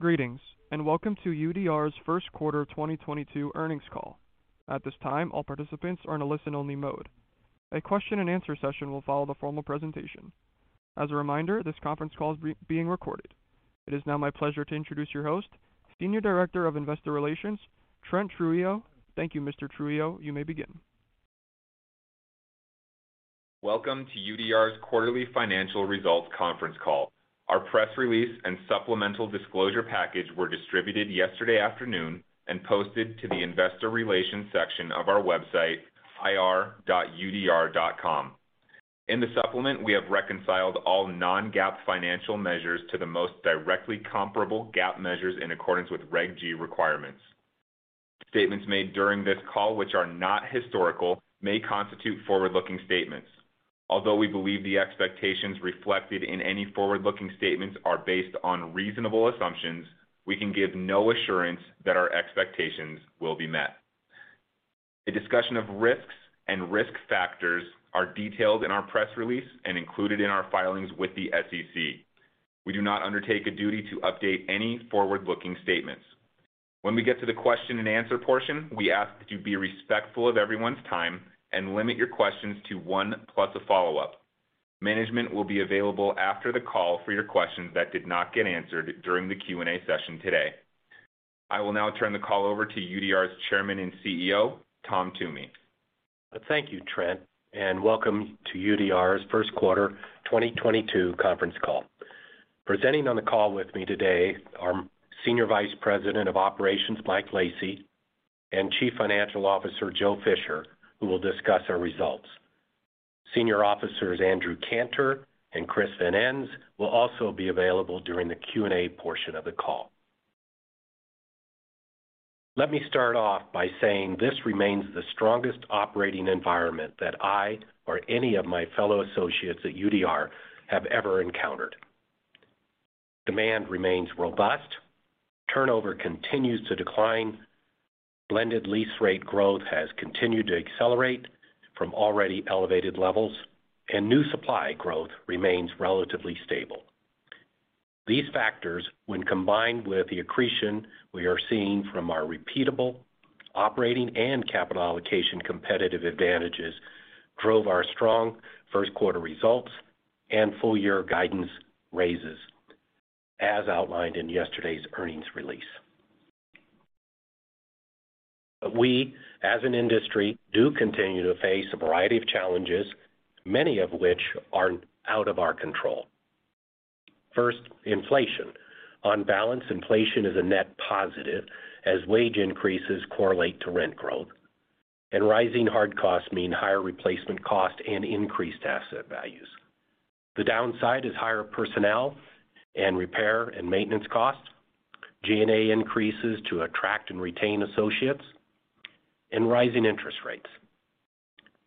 Greetings, welcome to UDR's Q1 of 2022 earnings call. At this time, all participants are in a listen-only mode. A question and answer session will follow the formal presentation. As a reminder, this conference call is being recorded. It is now my pleasure to introduce your host, Senior Director of Investor Relations, Trent Trujillo. Thank you, Mr. Trujillo. You may begin. Welcome to UDR's Quarterly Financial Results Conference Call. Our press release and supplemental disclosure package were distributed yesterday afternoon and posted to the investor relations section of our website, ir.udr.com. In the supplement, we have reconciled all non-GAAP financial measures to the most directly comparable GAAP measures in accordance with Reg G requirements. Statements made during this call which are not historical may constitute forward-looking statements. Although we believe the expectations reflected in any forward-looking statements are based on reasonable assumptions, we can give no assurance that our expectations will be met. A discussion of risks and risk factors are detailed in our press release and included in our filings with the SEC. We do not undertake a duty to update any forward-looking statements. When we get to the question and answer portion, we ask that you be respectful of everyone's time and limit your questions to one plus a follow-up. Management will be available after the call for your questions that did not get answered during the Q&A session today. I will now turn the call over to UDR's Chairman and CEO, Tom Toomey. Thank you, Trent, and welcome to UDR's first quarter 2022 conference call. Presenting on the call with me today are Senior Vice President of Operations, Mike Lacy, and Chief Financial Officer, Joe Fisher, who will discuss our results. Senior Officers Andrew Cantor and Chris Van Ens will also be available during the Q&A portion of the call. Let me start off by saying this remains the strongest operating environment that I or any of my fellow associates at UDR have ever encountered. Demand remains robust, turnover continues to decline, blended lease rate growth has continued to accelerate from already elevated levels, and new supply growth remains relatively stable. These factors, when combined with the accretion we are seeing from our repeatable operating and capital allocation competitive advantages, drove our strong Q1 results and full year guidance raises as outlined in yesterday's earnings release. We, as an industry, do continue to face a variety of challenges, many of which are out of our control. 1st, inflation. On balance, inflation is a net positive as wage increases correlate to rent growth, and rising hard costs mean higher replacement cost and increased asset values. The downside is higher personnel and repair and maintenance costs, G&A increases to attract and retain associates, and rising interest rates.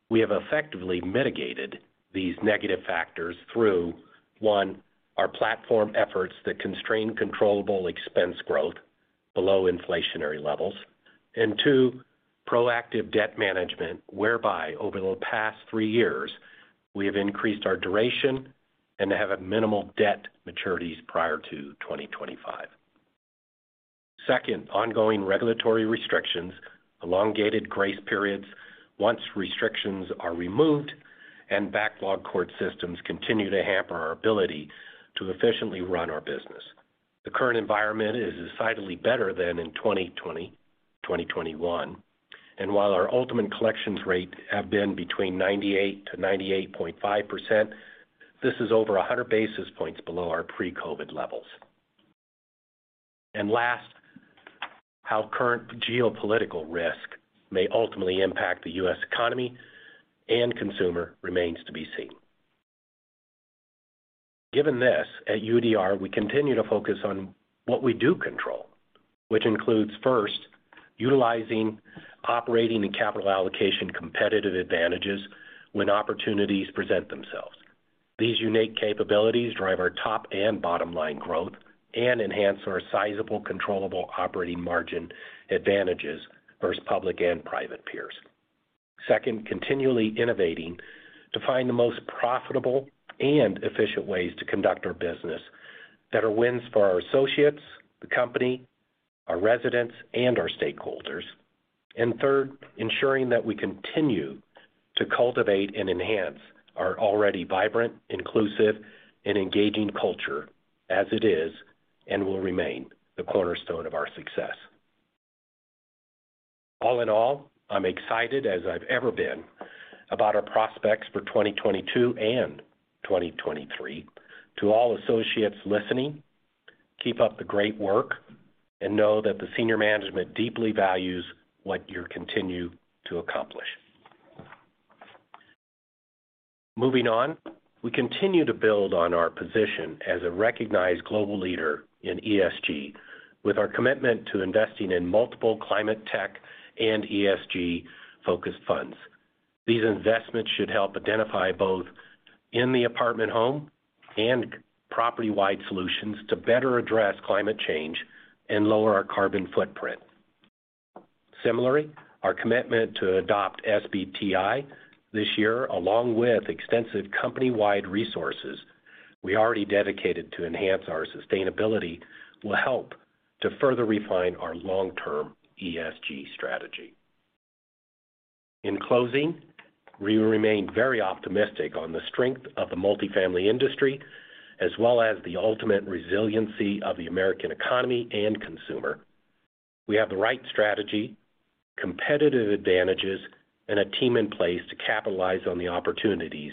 We have effectively mitigated these negative factors through, one, our platform efforts that constrain controllable expense growth below inflationary levels. Two, proactive debt management, whereby over the past three years, we have increased our duration and have a minimal debt maturities prior to 2025. 2nd, ongoing regulatory restrictions, elongated grace periods once restrictions are removed, and backlogged court systems continue to hamper our ability to efficiently run our business. The current environment is decidedly better than in 2020, 2021, and while our ultimate collections rate have been between 98%-98.5%, this is over 100 basis points below our pre-COVID levels. Last, how current geopolitical risk may ultimately impact the US economy and consumer remains to be seen. Given this, at UDR, we continue to focus on what we do control, which includes, 1st, utilizing operating and capital allocation competitive advantages when opportunities present themselves. These unique capabilities drive our top and bottom line growth and enhance our sizable controllable operating margin advantages versus public and private peers. 2nd, continually innovating to find the most profitable and efficient ways to conduct our business that are wins for our associates, the company, our residents, and our stakeholders. 3rd, ensuring that we continue to cultivate and enhance our already vibrant, inclusive, and engaging culture as it is and will remain the cornerstone of our success. All in all, I'm excited as I've ever been about our prospects for 2022 and 2023. To all associates listening, keep up the great work and know that the senior management deeply values what you continue to accomplish. Moving on, we continue to build on our position as a recognized global leader in ESG with our commitment to investing in multiple climate tech and ESG-focused funds. These investments should help identify both in the apartment home and property-wide solutions to better address climate change and lower our carbon footprint. Similarly, our commitment to adopt SBTI this year, along with extensive company-wide resources we already dedicated to enhance our sustainability, will help to further refine our long-term ESG strategy. In closing, we remain very optimistic on the strength of the multifamily industry as well as the ultimate resiliency of the American economy and consumer. We have the right strategy, competitive advantages, and a team in place to capitalize on the opportunities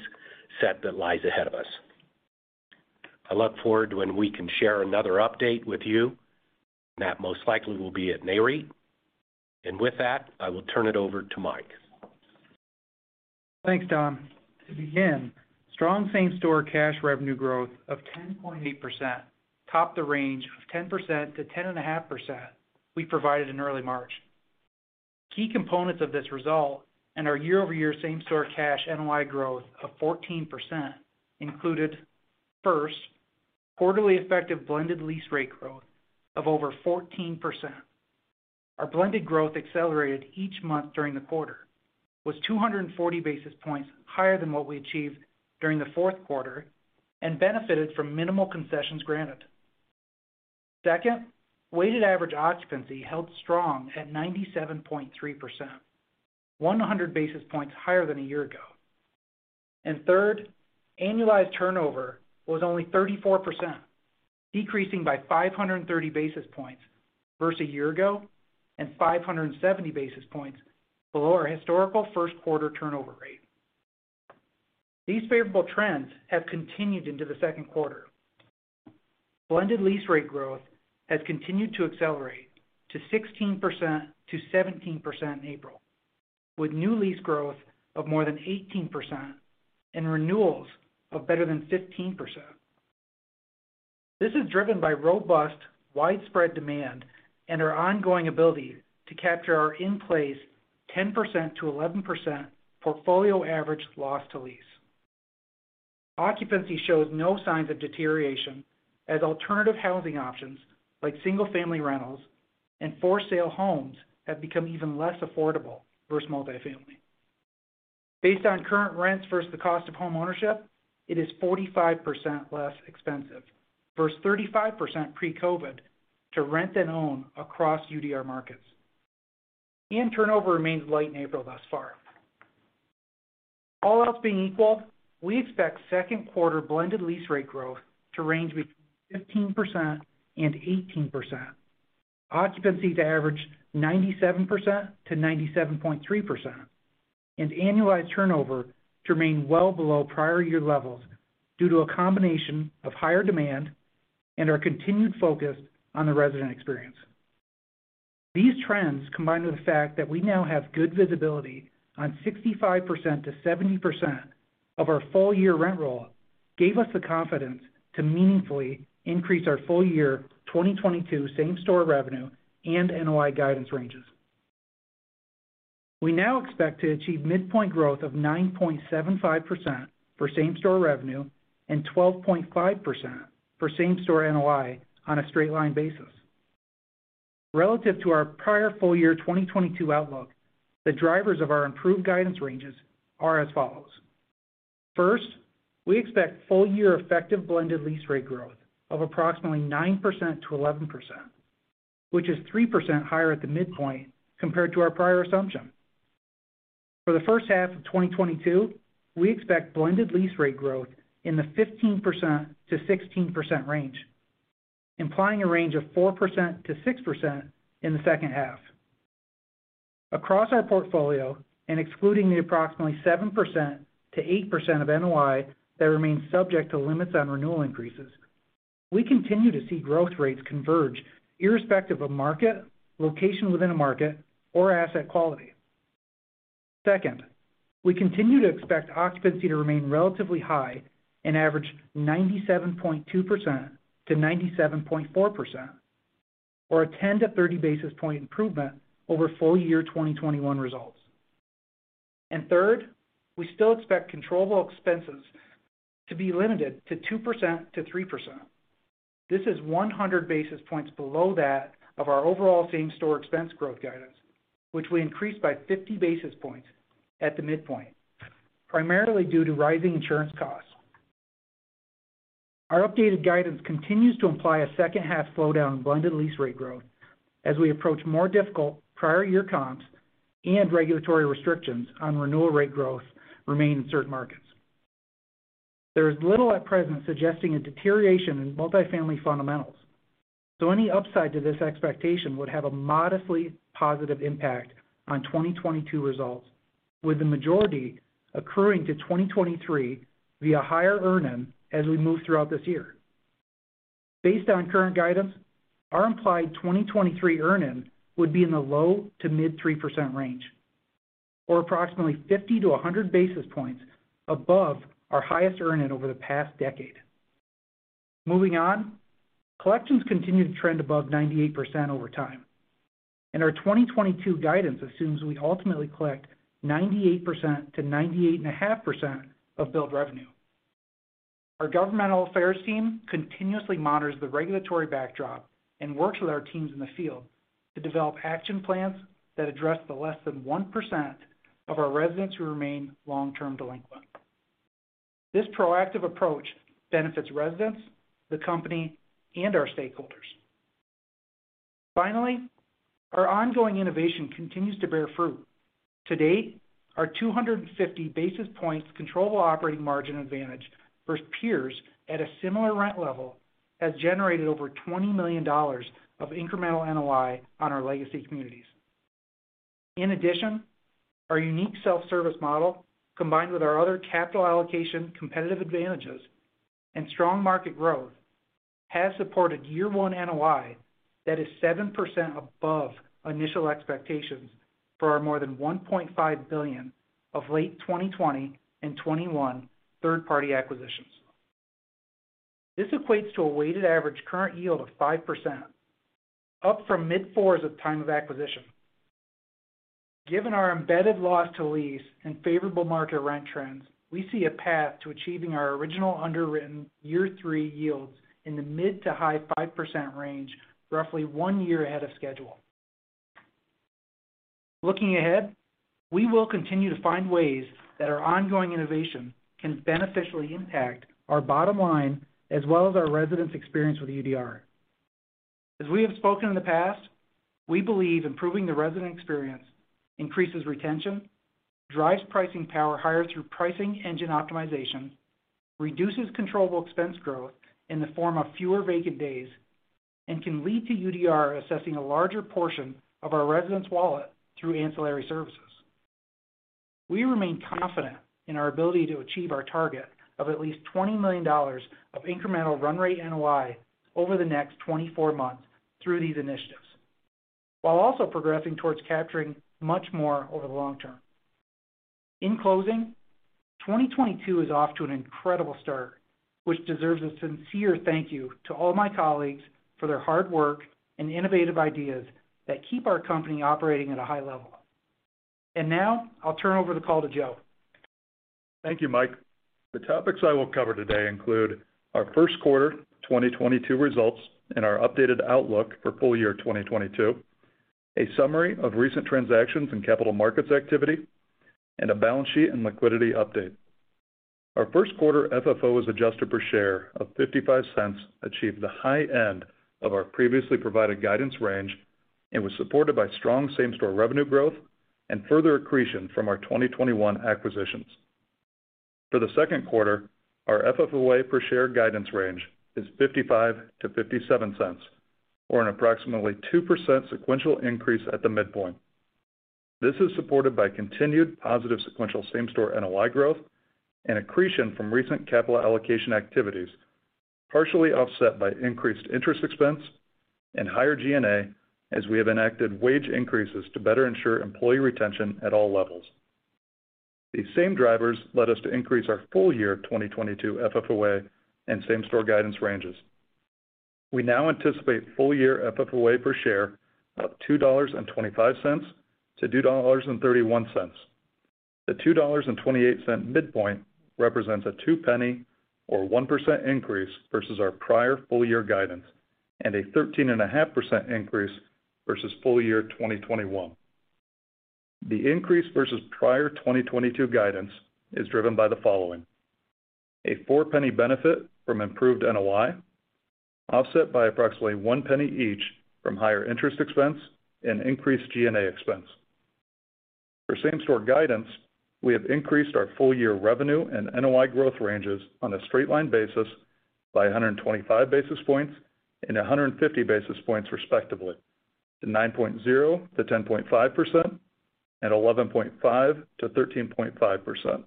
set that lies ahead of us. I look forward to when we can share another update with you, and that most likely will be at Nareit. With that, I will turn it over to Mike. Thanks, Tom. To begin, strong same-store cash revenue growth of 10.8% topped the range of 10%-10.5% we provided in early March. Key components of this result and our year-over-year same-store cash NOI growth of 14% included, 1st, quarterly effective blended lease rate growth of over 14%. Our blended growth accelerated each month during the quarter, was 240 basis points higher than what we achieved during the Q4, and benefited from minimal concessions granted. Second, weighted average occupancy held strong at 97.3%, 100 basis points higher than a year ago. Third, annualized turnover was only 34%, decreasing by 530 basis points versus a year ago and 570 basis points below our historical Q1 turnover rate. These favorable trends have continued into the Q2. Blended lease rate growth has continued to accelerate to 16%-17% in April, with new lease growth of more than 18% and renewals of better than 15%. This is driven by robust, widespread demand and our ongoing ability to capture our in-place 10%-11% portfolio average loss to lease. Occupancy shows no signs of deterioration as alternative housing options like single-family rentals and for-sale homes have become even less affordable versus multifamily. Based on current rents versus the cost of homeownership, it is 45% less expensive versus 35% pre-COVID to rent than own across UDR markets. Turnover remains light in April thus far. All else being equal, we expect Q2 blended lease rate growth to range between 15% and 18%, occupancy to average 97%-97.3%, and annualized turnover to remain well below prior year levels due to a combination of higher demand and our continued focus on the resident experience. These trends, combined with the fact that we now have good visibility on 65%-70% of our full-year rent roll, gave us the confidence to meaningfully increase our full-year 2022 same-store revenue and NOI guidance ranges. We now expect to achieve midpoint growth of 9.75% for same-store revenue and 12.5% for same-store NOI on a straight line basis. Relative to our prior full-year 2022 outlook, the drivers of our improved guidance ranges are as follows. 1st, we expect full-year effective blended lease rate growth of approximately 9%-11%, which is 3% higher at the midpoint compared to our prior assumption. For the first half of 2022, we expect blended lease rate growth in the 15%-16% range, implying a range of 4%-6% in the second half. Across our portfolio and excluding the approximately 7%-8% of NOI that remains subject to limits on renewal increases, we continue to see growth rates converge irrespective of market, location within a market, or asset quality. Second, we continue to expect occupancy to remain relatively high and average 97.2%-97.4% or a 10-30 basis point improvement over full-year 2021 results. Third, we still expect controllable expenses to be limited to 2%-3%. This is 100 basis points below that of our overall same-store expense growth guidance, which we increased by 50 basis points at the midpoint, primarily due to rising insurance costs. Our updated guidance continues to imply a second half slowdown in blended lease rate growth as we approach more difficult prior year comps and regulatory restrictions on renewal rate growth remain in certain markets. There is little at present suggesting a deterioration in multifamily fundamentals, so any upside to this expectation would have a modestly positive impact on 2022 results, with the majority occurring to 2023 via higher earn-in as we move throughout this year. Based on current guidance, our implied 2023 earnings would be in the low-to-mid-3% range or approximately 50-100 basis points above our highest earnings over the past decade. Moving on. Collections continue to trend above 98% over time, and our 2022 guidance assumes we ultimately collect 98%-98.5% of billed revenue. Our governmental affairs team continuously monitors the regulatory backdrop and works with our teams in the field to develop action plans that address the less than 1% of our residents who remain long-term delinquent. This proactive approach benefits residents, the company, and our stakeholders. Finally, our ongoing innovation continues to bear fruit. To date, our 250 basis points controllable operating margin advantage versus peers at a similar rent level has generated over $20 million of incremental NOI on our legacy communities. In addition, our unique self-service model, combined with our other capital allocation competitive advantages and strong market growth, has supported year one NOI that is 7% above initial expectations for our more than $1.5 billion of late 2020 and 2021 third-party acquisitions. This equates to a weighted average current yield of 5%, up from mid-fours at the time of acquisition. Given our embedded loss to lease and favorable market rent trends, we see a path to achieving our original underwritten year three yields in the mid- to high-5% range roughly one year ahead of schedule. Looking ahead, we will continue to find ways that our ongoing innovation can beneficially impact our bottom line as well as our residents' experience with UDR. As we have spoken in the past, we believe improving the resident experience increases retention, drives pricing power higher through pricing engine optimization, reduces controllable expense growth in the form of fewer vacant days, and can lead to UDR assessing a larger portion of our residents' wallet through ancillary services. We remain confident in our ability to achieve our target of at least $20 million of incremental run rate NOI over the next 24 months through these initiatives, while also progressing towards capturing much more over the long term. In closing, 2022 is off to an incredible start, which deserves a sincere thank you to all my colleagues for their hard work and innovative ideas that keep our company operating at a high level. Now I'll turn over the call to Joe. Thank you, Mike. The topics I will cover today include our Q1 2022 results and our updated outlook for full year 2022, a summary of recent transactions and capital markets activity, and a balance sheet and liquidity update. Our Q1 FFO as adjusted per share of $0.55 achieved the high end of our previously provided guidance range and was supported by strong same-store revenue growth and further accretion from our 2021 acquisitions. For the Q2, our FFOA per share guidance range is $0.55-$0.57, or an approximately 2% sequential increase at the midpoint. This is supported by continued positive sequential same-store NOI growth and accretion from recent capital allocation activities, partially offset by increased interest expense and higher G&A as we have enacted wage increases to better ensure employee retention at all levels. These same drivers led us to increase our full year 2022 FFOA and same-store guidance ranges. We now anticipate full year FFOA per share of $2.25-$2.31. The $2.28 midpoint represents a $0.2 Or 1% increase versus our prior full year guidance and a 13.5% increase versus full year 2021. The increase versus prior 2022 guidance is driven by the following. A $0.4 Benefit from improved NOI, offset by approximately $0.1 each from higher interest expense and increased G&A expense. For same-store guidance, we have increased our full year revenue and NOI growth ranges on a straight line basis by 125 basis points and 150 basis points respectively to 9.0%-10.5% and 11.5%-13.5%.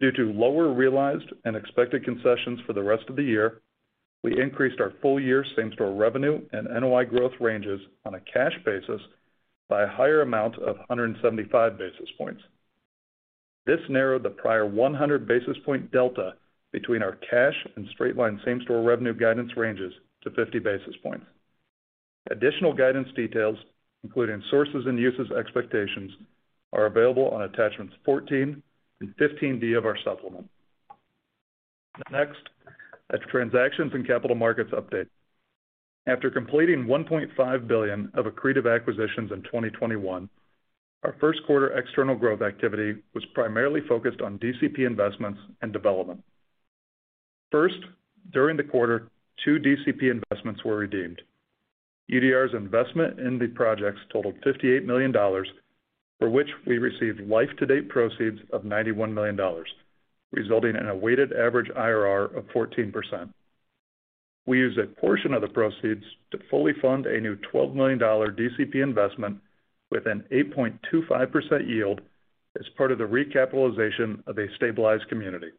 Due to lower realized and expected concessions for the rest of the year, we increased our full year same-store revenue and NOI growth ranges on a cash basis by a higher amount of 175 basis points. This narrowed the prior 100 basis point delta between our cash and straight line same-store revenue guidance ranges to 50 basis points. Additional guidance details, including sources and uses expectations, are available on attachments 14 and 15-D of our supplement. Next, a transactions and capital markets update. After completing $1.5 billion of accretive acquisitions in 2021, our Q1 external growth activity was primarily focused on DCP investments and development. 1st, during the quarter, two DCP investments were redeemed. UDR's investment in the projects totaled $58 million, for which we received life-to-date proceeds of $91 million, resulting in a weighted average IRR of 14%. We used a portion of the proceeds to fully fund a new $12 million DCP investment with an 8.25% yield as part of the recapitalization of a stabilized community.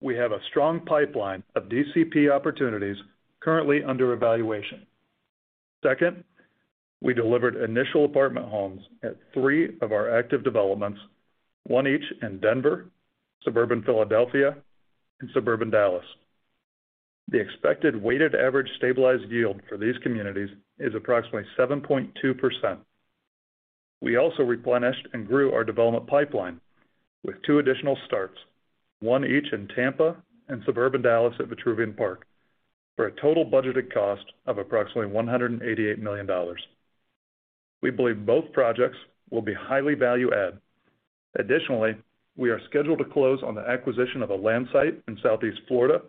We have a strong pipeline of DCP opportunities currently under evaluation. 2nd, we delivered initial apartment homes at three of our active developments, one each in Denver, suburban Philadelphia, and suburban Dallas. The expected weighted average stabilized yield for these communities is approximately 7.2%. We also replenished and grew our development pipeline with two additional starts, one each in Tampa and suburban Dallas at Vitruvian Park, for a total budgeted cost of approximately $188 million. We believe both projects will be highly value add. Additionally, we are scheduled to close on the acquisition of a land site in Southeast Florida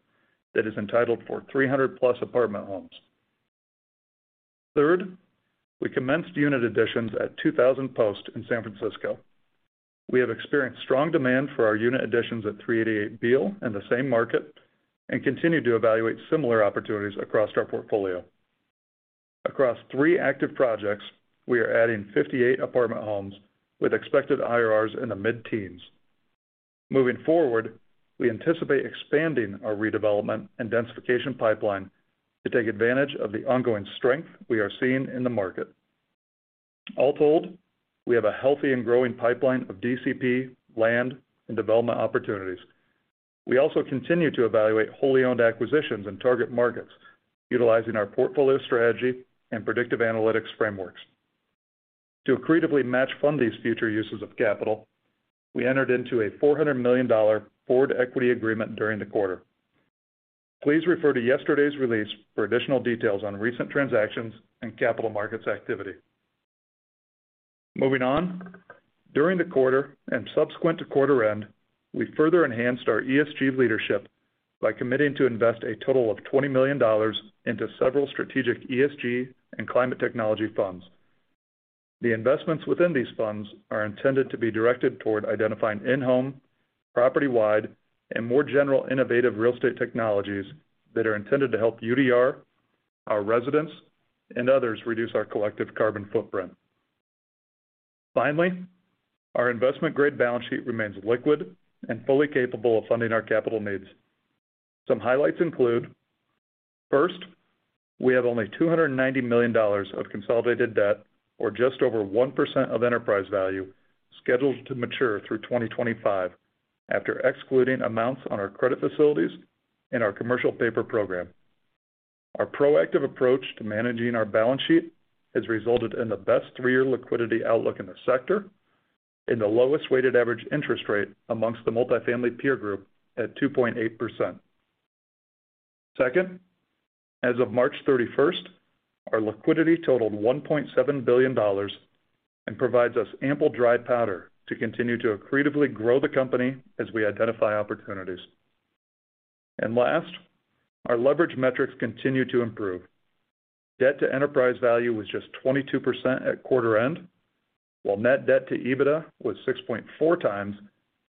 that is entitled for 300+ apartment homes. 3rd, we commenced unit additions at 2000 Post in San Francisco. We have experienced strong demand for our unit additions at 388 Beale in the same market and continue to evaluate similar opportunities across our portfolio. Across three active projects, we are adding 58 apartment homes with expected IRRs in the mid-teens. Moving forward, we anticipate expanding our redevelopment and densification pipeline to take advantage of the ongoing strength we are seeing in the market. All told, we have a healthy and growing pipeline of DCP, land, and development opportunities. We also continue to evaluate wholly owned acquisitions in target markets utilizing our portfolio strategy and predictive analytics frameworks. To accretively match fund these future uses of capital, we entered into a $400 million forward equity agreement during the quarter. Please refer to yesterday's release for additional details on recent transactions and capital markets activity. Moving on. During the quarter and subsequent to quarter end, we further enhanced our ESG leadership by committing to invest a total of $20 million into several strategic ESG and climate technology funds. The investments within these funds are intended to be directed toward identifying in-home, property-wide, and more general innovative real estate technologies that are intended to help UDR, our residents, and others reduce our collective carbon footprint. Finally, our investment-grade balance sheet remains liquid and fully capable of funding our capital needs. Some highlights include, first, we have only $290 million of consolidated debt, or just over 1% of enterprise value, scheduled to mature through 2025 after excluding amounts on our credit facilities and our commercial paper program. Our proactive approach to managing our balance sheet has resulted in the best three-year liquidity outlook in the sector and the lowest weighted average interest rate amongst the multifamily peer group at 2.8%. 2nd, as of March 31st, our liquidity totaled $1.7 billion and provides us ample dry powder to continue to accretively grow the company as we identify opportunities. Last, our leverage metrics continue to improve. Debt to enterprise value was just 22% at quarter end, while net debt to EBITDA was 6.4x,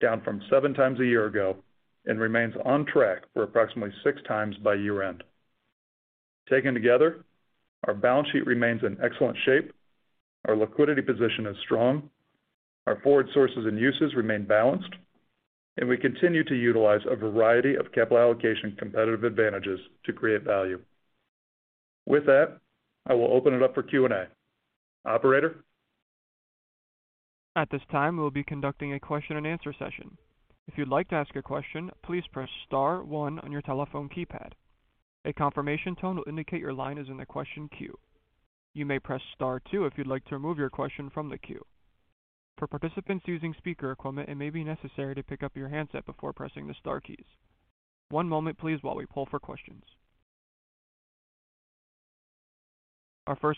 down from 7x a year ago, and remains on track for approximately 6x by year-end. Taken together, our balance sheet remains in excellent shape. Our liquidity position is strong. Our forward sources and uses remain balanced, and we continue to utilize a variety of capital allocation competitive advantages to create value. With that, I will open it up for Q&A. Operator? At this time, we'll be conducting a question-and-answer session. Our first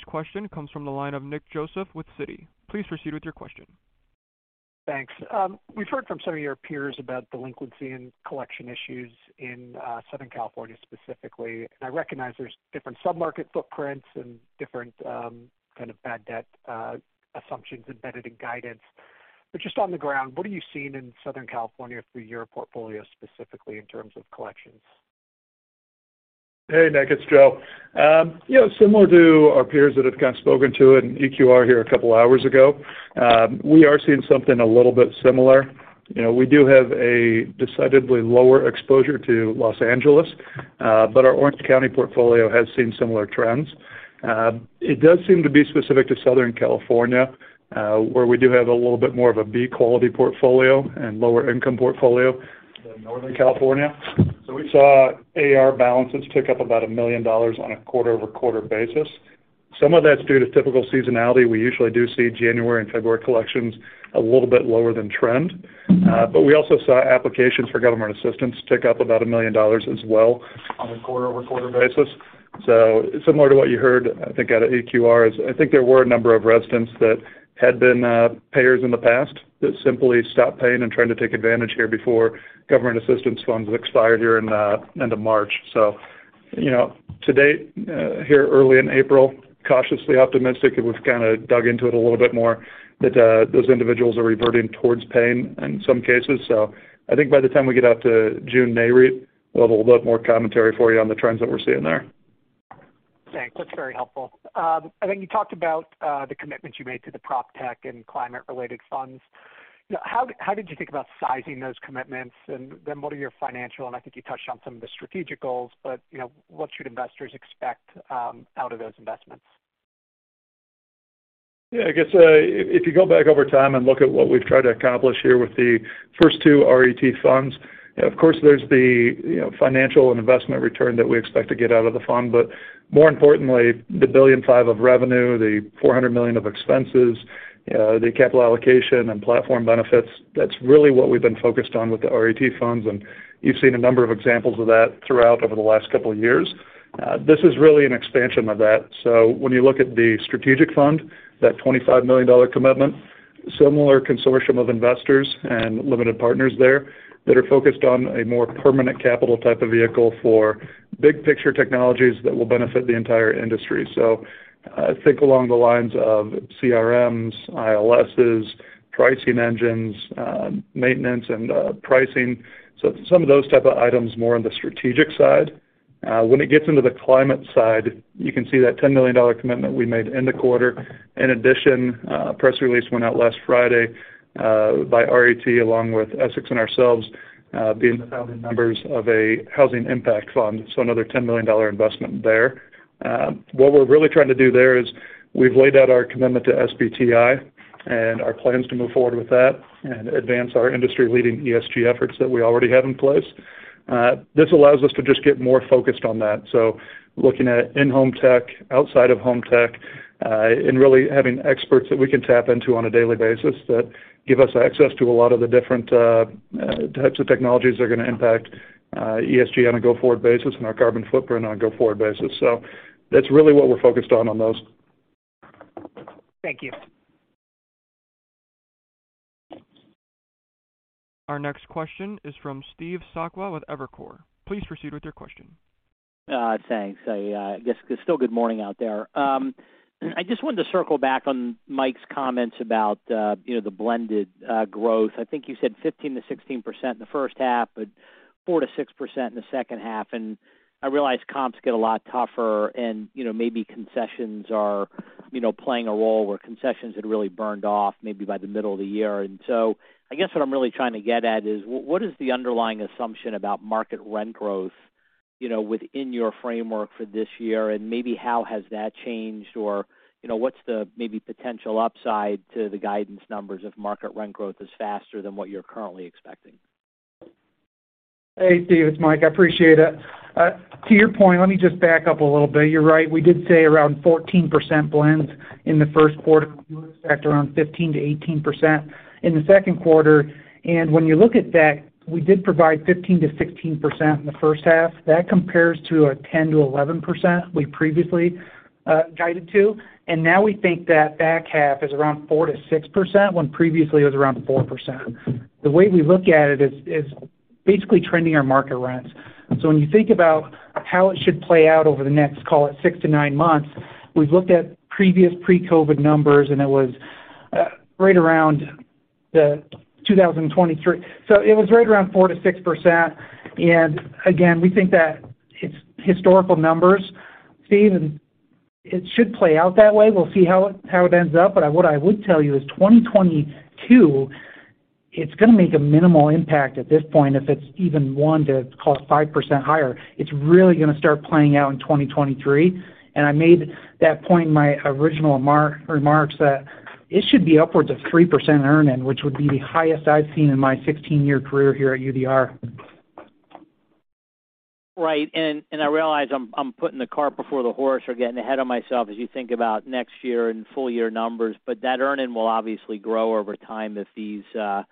question comes from the line of Nick Joseph with Citi. Please proceed with your question. Thanks. We've heard from some of your peers about delinquency and collection issues in Southern California specifically. I recognize there's different sub-market footprints and different kind of bad debt assumptions embedded in guidance. Just on the ground, what are you seeing in Southern California through your portfolio specifically in terms of collections? Hey, Nick, it's Joe. You know, similar to our peers that have kind of spoken to it and EQR here a couple hours ago, we are seeing something a little bit similar. You know, we do have a decidedly lower exposure to Los Angeles, but our Orange County portfolio has seen similar trends. It does seem to be specific to Southern California, where we do have a little bit more of a B quality portfolio and lower income portfolio than Northern California. We saw AR balances tick up about $1 million on a quarter-over-quarter basis. Some of that's due to typical seasonality. We usually do see January and February collections a little bit lower than trend. We also saw applications for government assistance tick up about $1 million as well on a quarter-over-quarter basis. Similar to what you heard, I think out of EQR is I think there were a number of residents that had been payers in the past that simply stopped paying and trying to take advantage here before government assistance funds expired here in end of March. You know, to date, here early in April, cautiously optimistic as we've kind of dug into it a little bit more that those individuals are reverting towards paying in some cases. I think by the time we get out to June MAA read, we'll have a little bit more commentary for you on the trends that we're seeing there. Thanks. That's very helpful. I think you talked about the commitments you made to the prop tech and climate-related funds. How did you think about sizing those commitments? And then what are your financial... And I think you touched on some of the strategic goals, but you know, what should investors expect out of those investments? Yeah, I guess, if you go back over time and look at what we've tried to accomplish here with the first two RET funds, of course, there's the, you know, financial and investment return that we expect to get out of the fund. More importantly, the $1.5 billion of revenue, the $400 million of expenses, the capital allocation and platform benefits, that's really what we've been focused on with the RET funds, and you've seen a number of examples of that throughout over the last couple of years. This is really an expansion of that. When you look at the strategic fund, that $25 million commitment, similar consortium of investors and limited partners there that are focused on a more permanent capital type of vehicle for big picture technologies that will benefit the entire industry. Think along the lines of CRMs, ILSs, pricing engines, maintenance, and pricing. Some of those type of items more on the strategic side. When it gets into the climate side, you can see that $10 million commitment we made in the quarter. In addition, press release went out last Friday, by RET along with Essex and ourselves, being the founding members of a housing impact fund, so another $10 million investment there. What we're really trying to do there is we've laid out our commitment to SBTI and our plans to move forward with that and advance our industry-leading ESG efforts that we already have in place. This allows us to just get more focused on that. Looking at in-home tech, outside of home tech, and really having experts that we can tap into on a daily basis that give us access to a lot of the different types of technologies are gonna impact ESG on a go-forward basis and our carbon footprint on a go-forward basis. That's really what we're focused on those. Thank you. Our next question is from Steve Sakwa with Evercore. Please proceed with your question. Thanks. I guess it's still good morning out there. I just wanted to circle back on Mike's comments about, you know, the blended growth. I think you said 15%-16% in the first half, but 4%-6% in the second half. I realize comps get a lot tougher and, you know, maybe concessions are, you know, playing a role where concessions had really burned off maybe by the middle of the year. I guess what I'm really trying to get at is what is the underlying assumption about market rent growth, you know, within your framework for this year, and maybe how has that changed? Or, you know, what's the maybe potential upside to the guidance numbers if market rent growth is faster than what you're currently expecting? Hey, Steve. It's Mike. I appreciate it. To your point, let me just back up a little bit. You're right. We did say around 14% blend in the Q1. We expect around 15%-18% in the Q2. When you look at that, we did provide 15%-16% in the first half. That compares to a 10%-11% we previously guided to. Now we think that back half is around 4%-6%, when previously it was around 4%. The way we look at it is basically trending our market rents. When you think about how it should play out over the next, call it six to nine months, we've looked at previous pre-COVID numbers, and it was right around 2023. It was right around 4%-6%. Again, we think that it's historical numbers, Steve, and it should play out that way. We'll see how it ends up. What I would tell you is 2022, it's gonna make a minimal impact at this point if it's even want to call it 5% higher. It's really gonna start playing out in 2023. I made that point in my original remarks that it should be upwards of 3% earn in which would be the highest I've seen in my 16-year career here at UDR. Right. I realize I'm putting the cart before the horse or getting ahead of myself as you think about next year and full year numbers. But that earn in will obviously grow over time if these spreads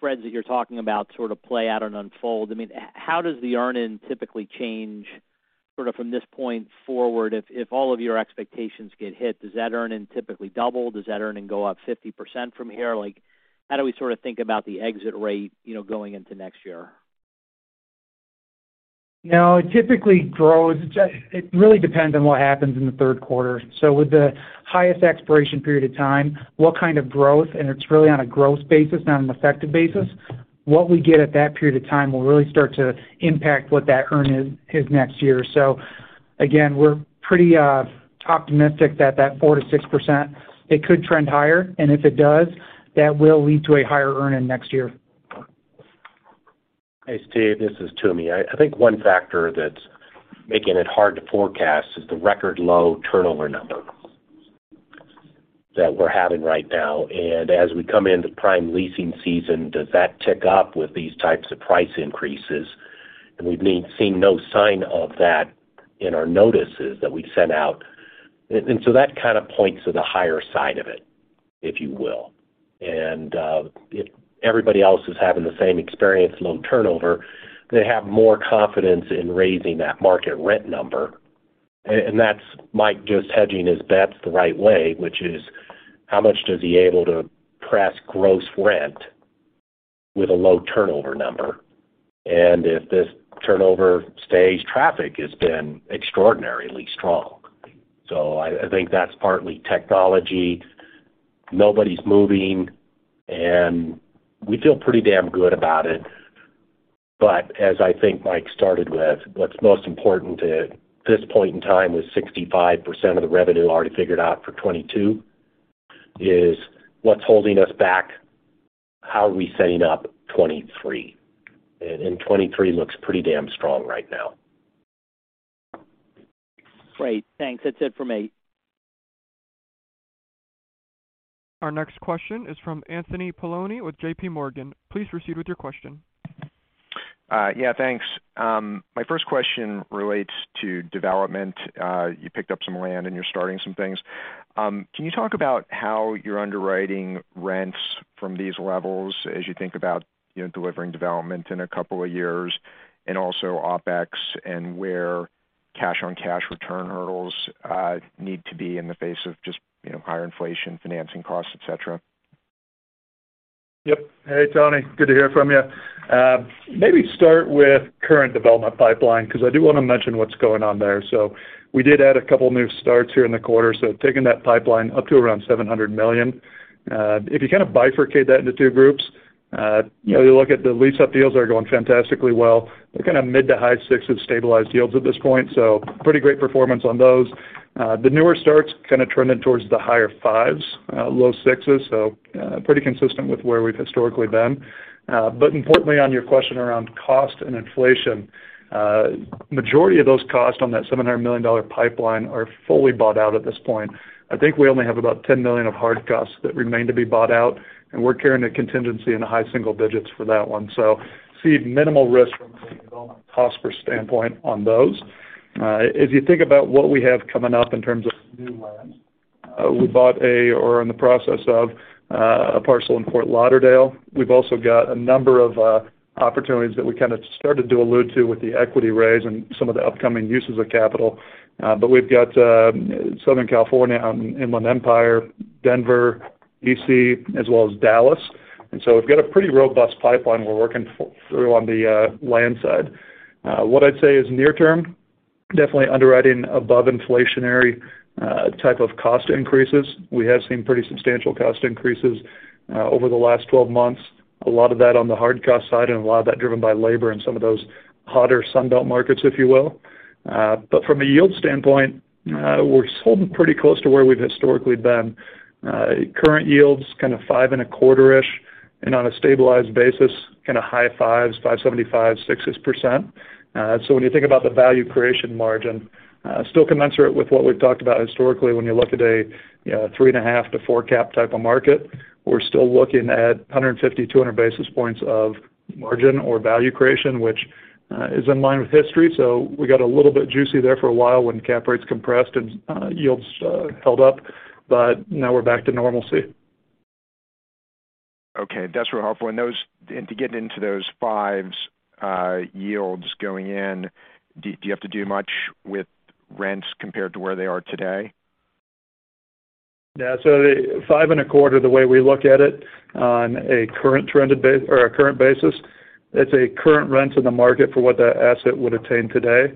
that you're talking about sort of play out and unfold. I mean, how does the earn in typically change sort of from this point forward? If all of your expectations get hit, does that earn in typically double? Does that earn in go up 50% from here? Like, how do we sort of think about the exit rate, you know, going into next year? No, it typically grows. It really depends on what happens in the Q3. With the highest expiration period of time, what kind of growth, and it's really on a growth basis, not an effective basis, what we get at that period of time will really start to impact what that earn in is next year. Again, we're pretty optimistic that 4%-6%, it could trend higher, and if it does, that will lead to a higher earn in next year. Hey, Steve, this is Toomey. I think one factor that's making it hard to forecast is the record low turnover number that we're having right now. As we come into prime leasing season, does that tick up with these types of price increases? We've seen no sign of that in our notices that we've sent out. That kind of points to the higher side of it, if you will. If everybody else is having the same experience, low turnover, they have more confidence in raising that market rent number. That's Mike just hedging his bets the right way, which is how much is he able to press gross rent with a low turnover number? If this turnover stays, traffic has been extraordinarily strong. I think that's partly technology. Nobody's moving, and we feel pretty damn good about it. As I think Mike started with, what's most important at this point in time with 65% of the revenue already figured out for 2022 is what's holding us back, how are we setting up 2023? 2023 looks pretty damn strong right now. Great. Thanks. That's it from me. Our next question is from Anthony Paolone with J.P. Morgan. Please proceed with your question. Yeah, thanks. My 1st question relates to development. You picked up some land and you're starting some things. Can you talk about how you're underwriting rents from these levels as you think about, you know, delivering development in a couple of years, and also OpEx and where cash-on-cash return hurdles need to be in the face of just, you know, higher inflation, financing costs, et cetera? Yep. Hey, Tony. Good to hear from you. Maybe start with current development pipeline because I do wanna mention what's going on there. We did add a couple of new starts here in the quarter, taking that pipeline up to around $700 million. If you kinda bifurcate that into two groups, you know, you look at the lease-up deals are going fantastically well. They're kinda mid- to high-6s stabilized yields at this point, so pretty great performance on those. The newer starts kinda trending towards the higher-5s, low-6s, so pretty consistent with where we've historically been. But importantly, on your question around cost and inflation, majority of those costs on that $700 million pipeline are fully bought out at this point. I think we only have about $10 million of hard costs that remain to be bought out, and we're carrying a contingency in the high single digits for that one. See minimal risk from a development cost perspective standpoint on those. If you think about what we have coming up in terms of new land, we bought a, or are in the process of, a parcel in Fort Lauderdale. We've also got a number of opportunities that we kinda started to allude to with the equity raise and some of the upcoming uses of capital. We've got Southern California, Inland Empire, Denver, D.C., as well as Dallas. We've got a pretty robust pipeline we're working through on the land side. What I'd say is near term, definitely underwriting above inflationary type of cost increases. We have seen pretty substantial cost increases over the last 12 months, a lot of that on the hard cost side and a lot of that driven by labor in some of those hotter Sun Belt markets, if you will. From a yield standpoint, we're holding pretty close to where we've historically been. Current yields kind of 5.25-ish, and on a stabilized basis, kind of high 5s, 5.75, 6-ish%. When you think about the value creation margin, still commensurate with what we've talked about historically when you look at a, you know, 3.5-4 cap type of market. We're still looking at 150, 200 basis points of margin or value creation, which is in line with history. We got a little bit juicy there for a while when cap rates compressed and yields held up, but now we're back to normalcy. Okay. That's real helpful. To get into those fives, yields going in, do you have to do much with rents compared to where they are today? Yeah. The 5.25%, the way we look at it on a current trended basis or a current basis, it's a current rent in the market for what that asset would attain today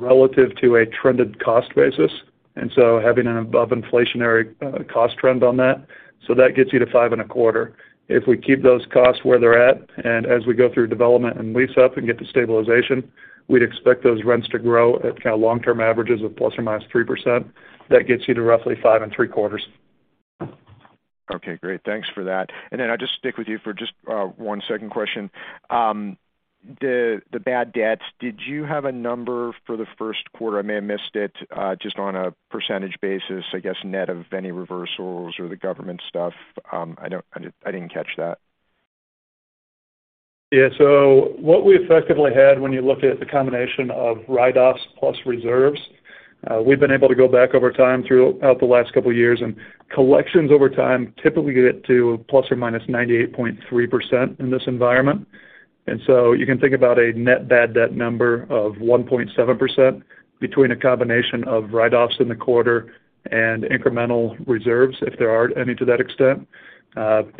relative to a trended cost basis, and having an above-inflationary cost trend on that. That gets you to 5.25%. If we keep those costs where they're at, and as we go through development and lease up and get to stabilization, we'd expect those rents to grow at kinda long-term averages of ±3%. That gets you to roughly 5.75%. Okay, great. Thanks for that. I'll just stick with you for just one 2ndquestion. The bad debts, did you have a number for the Q1? I may have missed it, just on a percentage basis, I guess, net of any reversals or the government stuff. I didn't catch that. Yeah. What we effectively had when you look at the combination of write-offs plus reserves, we've been able to go back over time throughout the last couple of years, and collections over time typically get to ±98.3% in this environment. You can think about a net bad debt number of 1.7% between a combination of write-offs in the quarter and incremental reserves if there are any to that extent.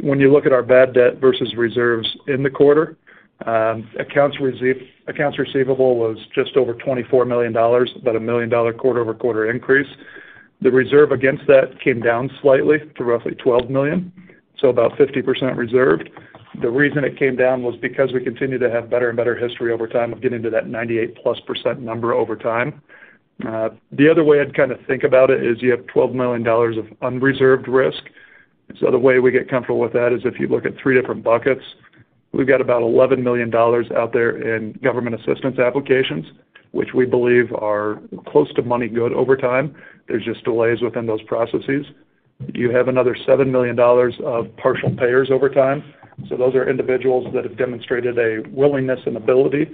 When you look at our bad debt versus reserves in the quarter, accounts receivable was just over $24 million, about a $1 million quarter-over-quarter increase. The reserve against that came down slightly to roughly $12 million, so about 50% reserved. The reason it came down was because we continue to have better and better history over time of getting to that 98%+ number over time. The other way I'd kinda think about it is you have $12 million of unreserved risk. The way we get comfortable with that is if you look at three different buckets, we've got about $11 million out there in government assistance applications, which we believe are close to money good over time. There's just delays within those processes. You have another $7 million of partial payers over time. Those are individuals that have demonstrated a willingness and ability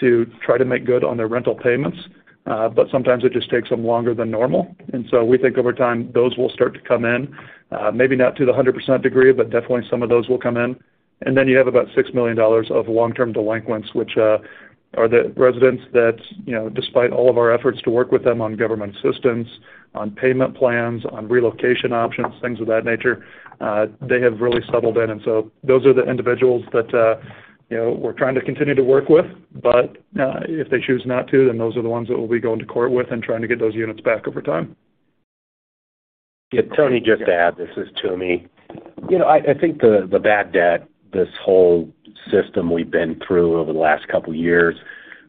to try to make good on their rental payments, but sometimes it just takes them longer than normal. We think over time, those will start to come in, maybe not to the 100% degree, but definitely some of those will come in. You have about $6 million of long-term delinquents, which are the residents that, you know, despite all of our efforts to work with them on government assistance, on payment plans, on relocation options, things of that nature, they have really settled in. Those are the individuals that, you know, we're trying to continue to work with. If they choose not to, then those are the ones that we'll be going to court with and trying to get those units back over time. Yeah, Tony, just to add. This is Toomey. You know, I think the bad debt, this whole system we've been through over the last couple of years,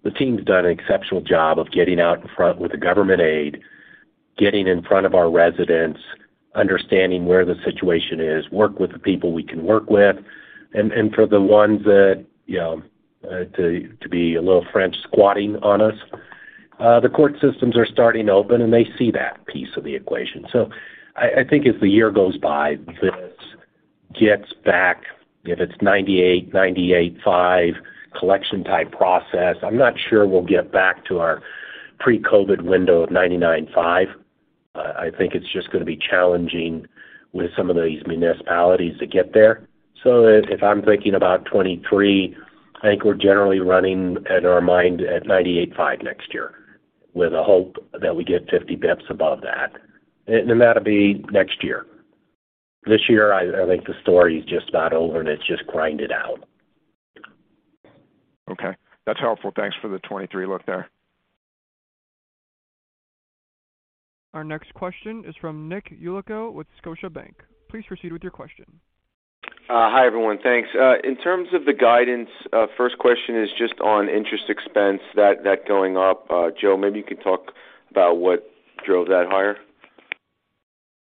the team's done an exceptional job of getting out in front with the government aid. Getting in front of our residents, understanding where the situation is, work with the people we can work with. For the ones that, you know, to be a little free squatting on us, the court systems are starting to open, and they see that piece of the equation. I think as the year goes by, this gets back, if it's 98%-98.5% collection type process. I'm not sure we'll get back to our pre-COVID window of 99.5%. I think it's just gonna be challenging with some of these municipalities to get there. If I'm thinking about 2023, I think we're generally running in our mind at 98.5% next year with a hope that we get 50 basis points above that. That'll be next year. This year, I think the story is just about over and it's just grind it out. Okay. That's helpful. Thanks for the 2023 look there. Our next question is from Nick Yulico with Scotiabank. Please proceed with your question. Hi, everyone. Thanks. In terms of the guidance, first question is just on interest expense that going up. Joe, maybe you could talk about what drove that higher.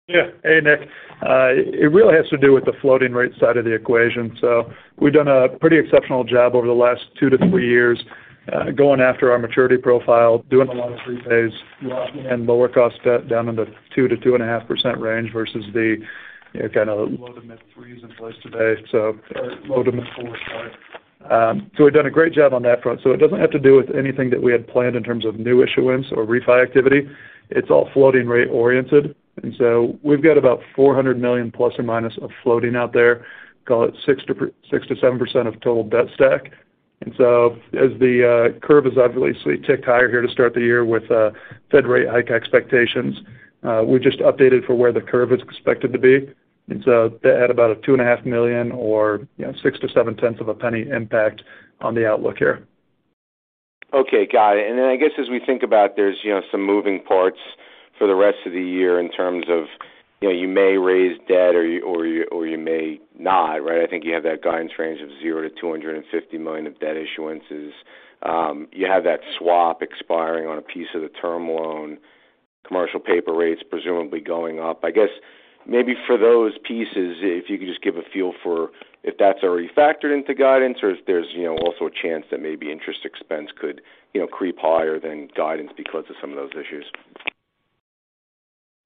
Hey, Nick. It really has to do with the floating rate side of the equation. We've done a pretty exceptional job over the last two to three years, going after our maturity profile, doing a lot of prepays, locking in lower cost debt down in the 2%-2.5% range versus the, you know, kind of low- to mid-3s in place today, or low- to mid-4s, sorry. We've done a great job on that front. It doesn't have to do with anything that we had planned in terms of new issuance or refi activity. It's all floating rate oriented. We've got about $400 million plus or minus of floating out there, call it 6%-7% of total debt stack. As the curve has obviously ticked higher here to start the year with Fed rate hike expectations, we just updated for where the curve is expected to be. To add about $2.5 million or, you know, $0.006-$0.007 impact on the outlook here. Okay. Got it. I guess as we think about there's, you know, some moving parts for the rest of the year in terms of, you know, you may raise debt or you may not, right? I think you have that guidance range of $0-$250 million of debt issuances. You have that swap expiring on a piece of the term loan, commercial paper rates presumably going up. I guess maybe for those pieces, if you could just give a feel for if that's already factored into guidance or if there's, you know, also a chance that maybe interest expense could, you know, creep higher than guidance because of some of those issues.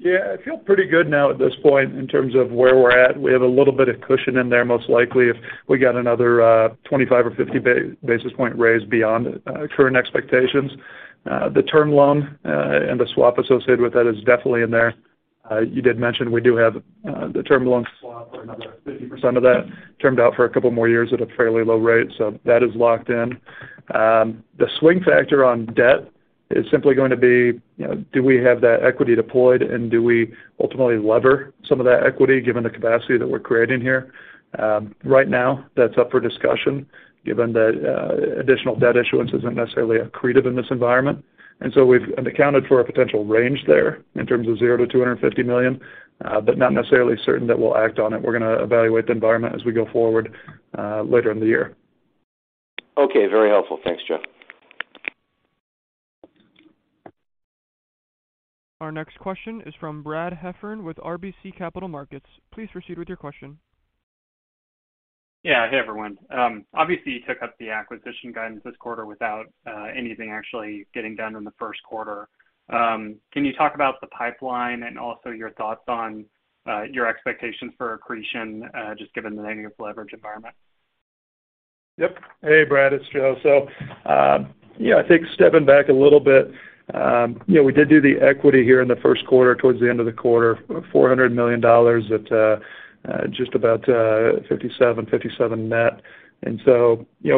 Yeah, I feel pretty good now at this point in terms of where we're at. We have a little bit of cushion in there, most likely if we got another 25 or 50 basis point raise beyond current expectations. The term loan and the swap associated with that is definitely in there. You did mention we do have the term loan swap for another 50% of that termed out for a couple more years at a fairly low rate, so that is locked in. The swing factor on debt is simply going to be, you know, do we have that equity deployed and do we ultimately lever some of that equity given the capacity that we're creating here? Right now, that's up for discussion given that additional debt issuance isn't necessarily accretive in this environment. We've accounted for a potential range there in terms of $0-$250 million, but not necessarily certain that we'll act on it. We're gonna evaluate the environment as we go forward, later in the year. Okay. Very helpful. Thanks, Joe. Our next question is from Brad Heffern with RBC Capital Markets. Please proceed with your question. Yeah. Hey, everyone. Obviously, you took up the acquisition guidance this quarter without anything actually getting done in the Q1. Can you talk about the pipeline and also your thoughts on your expectations for accretion just given the negative leverage environment? Yep. Hey, Brad, it's Joe. I think stepping back a little bit, you know, we did do the equity here in the Q1 towards the end of the quarter, $400 million at just about $57, $57 net.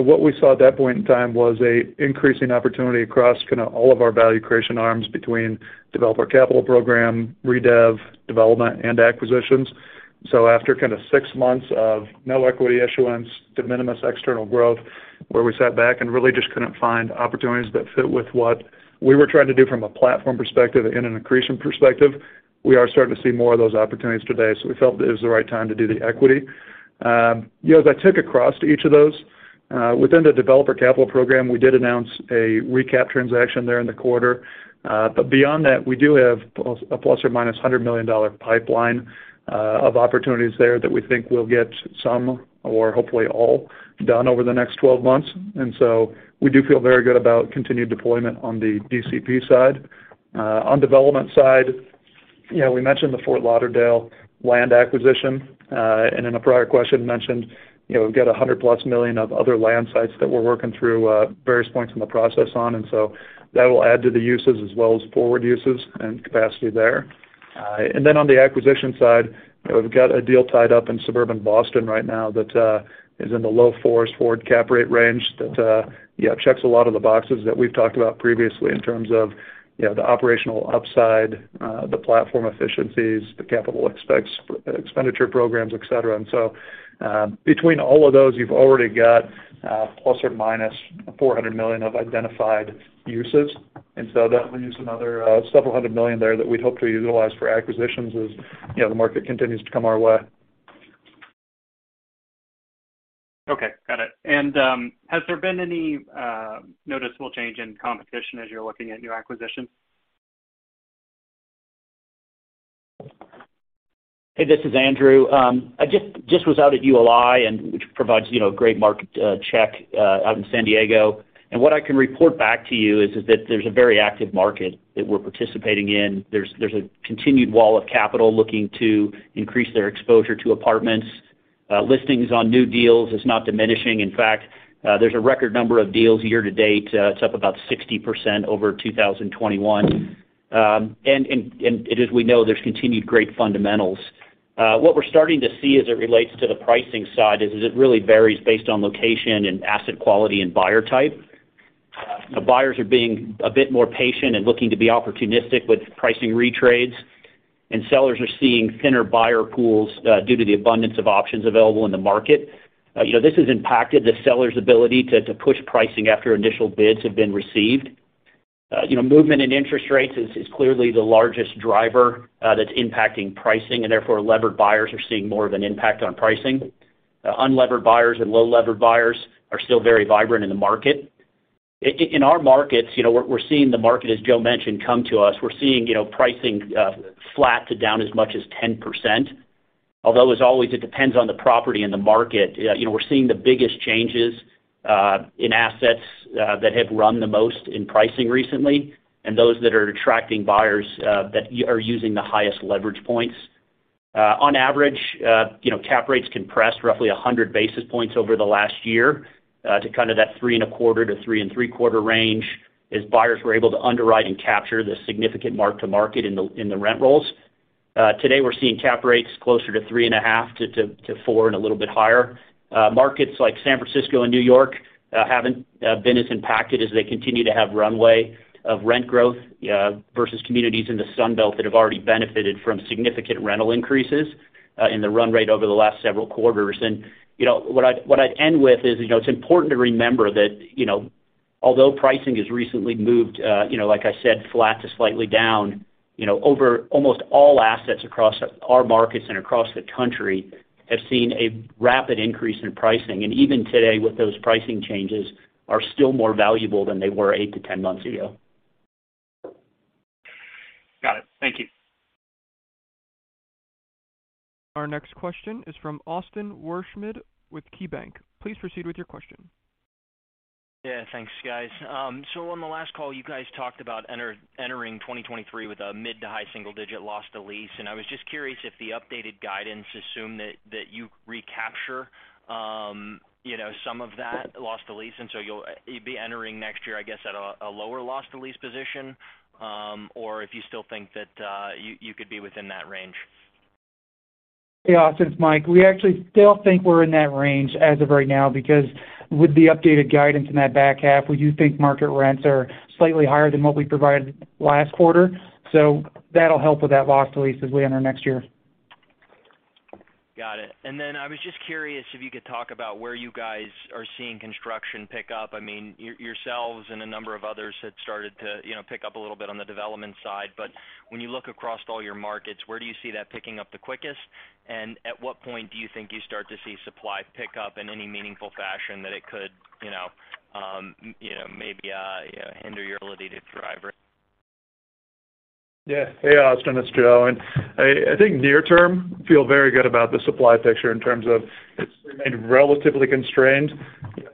What we saw at that point in time was an increasing opportunity across kind of all of our value creation arms between developer capital program, redev, development, and acquisitions. After kind of six months of no equity issuance, de minimis external growth, where we sat back and really just couldn't find opportunities that fit with what we were trying to do from a platform perspective and an accretion perspective, we are starting to see more of those opportunities today. We felt it was the right time to do the equity. You know, as I tick across to each of those within the developer capital program, we did announce a recap transaction there in the quarter. But beyond that, we do have plus, a ±$100 million pipeline of opportunities there that we think we'll get some or hopefully all done over the next 12 months. We do feel very good about continued deployment on the DCP side. On development side, you know, we mentioned the Fort Lauderdale land acquisition, and in a prior question mentioned, you know, we've got $100+ million of other land sites that we're working through various points in the process on. That will add to the uses as well as forward uses and capacity there. On the acquisition side, you know, we've got a deal tied up in suburban Boston right now that is in the low fours forward cap rate range that checks a lot of the boxes that we've talked about previously in terms of, you know, the operational upside, the platform efficiencies, the capital expenditure programs, et cetera. Between all of those, you've already got ±$400 million of identified uses. That leaves another several hundred million there that we'd hope to utilize for acquisitions as, you know, the market continues to come our way. Has there been any noticeable change in competition as you're looking at new acquisitions? Hey, this is Andrew. I just was out at ULI and which provides, you know, great market check out in San Diego. What I can report back to you is that there's a very active market that we're participating in? There's a continued wall of capital looking to increase their exposure to apartments. Listings on new deals is not diminishing. In fact, there's a record number of deals year to date. It's up about 60% over 2021. And as we know, there's continued great fundamentals. What we're starting to see as it relates to the pricing side is it really varies based on location and asset quality and buyer type? Buyers are being a bit more patient and looking to be opportunistic with pricing retrades, and sellers are seeing thinner buyer pools due to the abundance of options available in the market. You know, this has impacted the seller's ability to push pricing after initial bids have been received. You know, movement in interest rates is clearly the largest driver that's impacting pricing and therefore levered buyers are seeing more of an impact on pricing. Unlevered buyers and low levered buyers are still very vibrant in the market. In our markets, you know, we're seeing the market, as Joe mentioned, come to us. We're seeing, you know, pricing flat to down as much as 10%. Although as always, it depends on the property and the market. You know, we're seeing the biggest changes in assets that have run the most in pricing recently, and those that are attracting buyers that are using the highest leverage points. On average, you know, cap rates compressed roughly 100 basis points over the last year to kind of that 3.25%-3.75% range as buyers were able to underwrite and capture the significant mark to market in the rent rolls. Today, we're seeing cap rates closer to 3.5%-4% and a little bit higher. Markets like San Francisco and New York haven't been as impacted as they continue to have runway of rent growth versus communities in the Sun Belt that have already benefited from significant rental increases in the run rate over the last several quarters. You know, what I'd end with is, you know, it's important to remember that, you know, although pricing has recently moved, you know, like I said, flat to slightly down, you know, over almost all assets across our markets and across the country have seen a rapid increase in pricing. Even today, with those pricing changes are still more valuable than they were 8-10 months ago. Got it. Thank you. Our next question is from Austin Wurschmidt with KeyBanc Capital Markets. Please proceed with your question. Yeah, thanks, guys. So on the last call, you guys talked about entering 2023 with a mid- to high-single-digit loss to lease. I was just curious if the updated guidance assumes that you recapture, you know, some of that loss to lease, and so you'd be entering next year, I guess, at a lower loss to lease position, or if you still think that you could be within that range. Hey, Austin, it's Mike. We actually still think we're in that range as of right now because with the updated guidance in that back half, we do think market rents are slightly higher than what we provided last quarter. That'll help with that loss to lease as we enter next year. Got it. Then I was just curious if you could talk about where you guys are seeing construction pick up. I mean, yourselves and a number of others had started to, you know, pick up a little bit on the development side. When you look across all your markets, where do you see that picking up the quickest? And at what point do you think you start to see supply pick up in any meaningful fashion that it could, you know, maybe hinder your ability to drive? Yeah. Hey, Austin, it's Joe. I think near term, feel very good about the supply picture in terms of it's remained relatively constrained.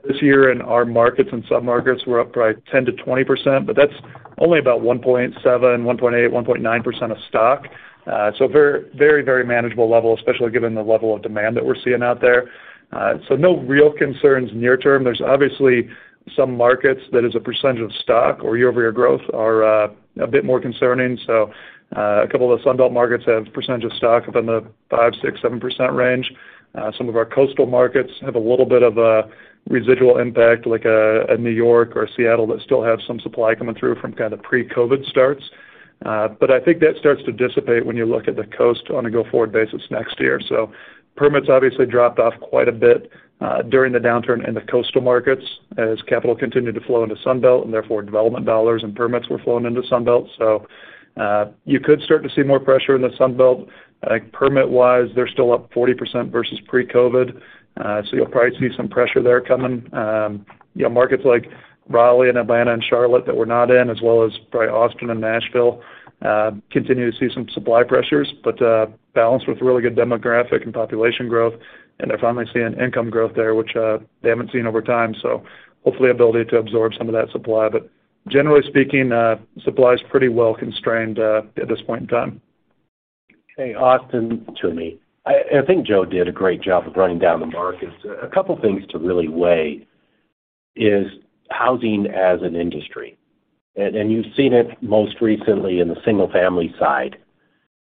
This year in our markets and submarkets, we're up probably 10%-20%, but that's only about 1.7%, 1.8%, 1.9% of stock. So very, very manageable level, especially given the level of demand that we're seeing out there. So no real concerns near term. There's obviously some markets that as a percentage of stock or year over year growth are a bit more concerning. A couple of the Sun Belt markets have percentage of stock up in the 5%, 6%, 7% range. Some of our coastal markets have a little bit of a residual impact, like, New York or Seattle that still have some supply coming through from kind of pre-COVID starts. I think that starts to dissipate when you look at the coast on a go-forward basis next year. Permits obviously dropped off quite a bit, during the downturn in the coastal markets as capital continued to flow into Sun Belt, and therefore development dollars and permits were flowing into Sun Belt. You could start to see more pressure in the Sun Belt. Permit-wise, they're still up 40% versus pre-COVID. You'll probably see some pressure there coming. You know, markets like Raleigh and Atlanta and Charlotte that we're not in, as well as probably Austin and Nashville, continue to see some supply pressures, but balanced with really good demographic and population growth. They're finally seeing income growth there, which they haven't seen over time. Hopefully ability to absorb some of that supply. Generally speaking, supply is pretty well constrained at this point in time. Hey, Austin, it's Toomey. I think Joe did a great job of running down the markets. A couple of things to really weigh is housing as an industry. You've seen it most recently in the single family side,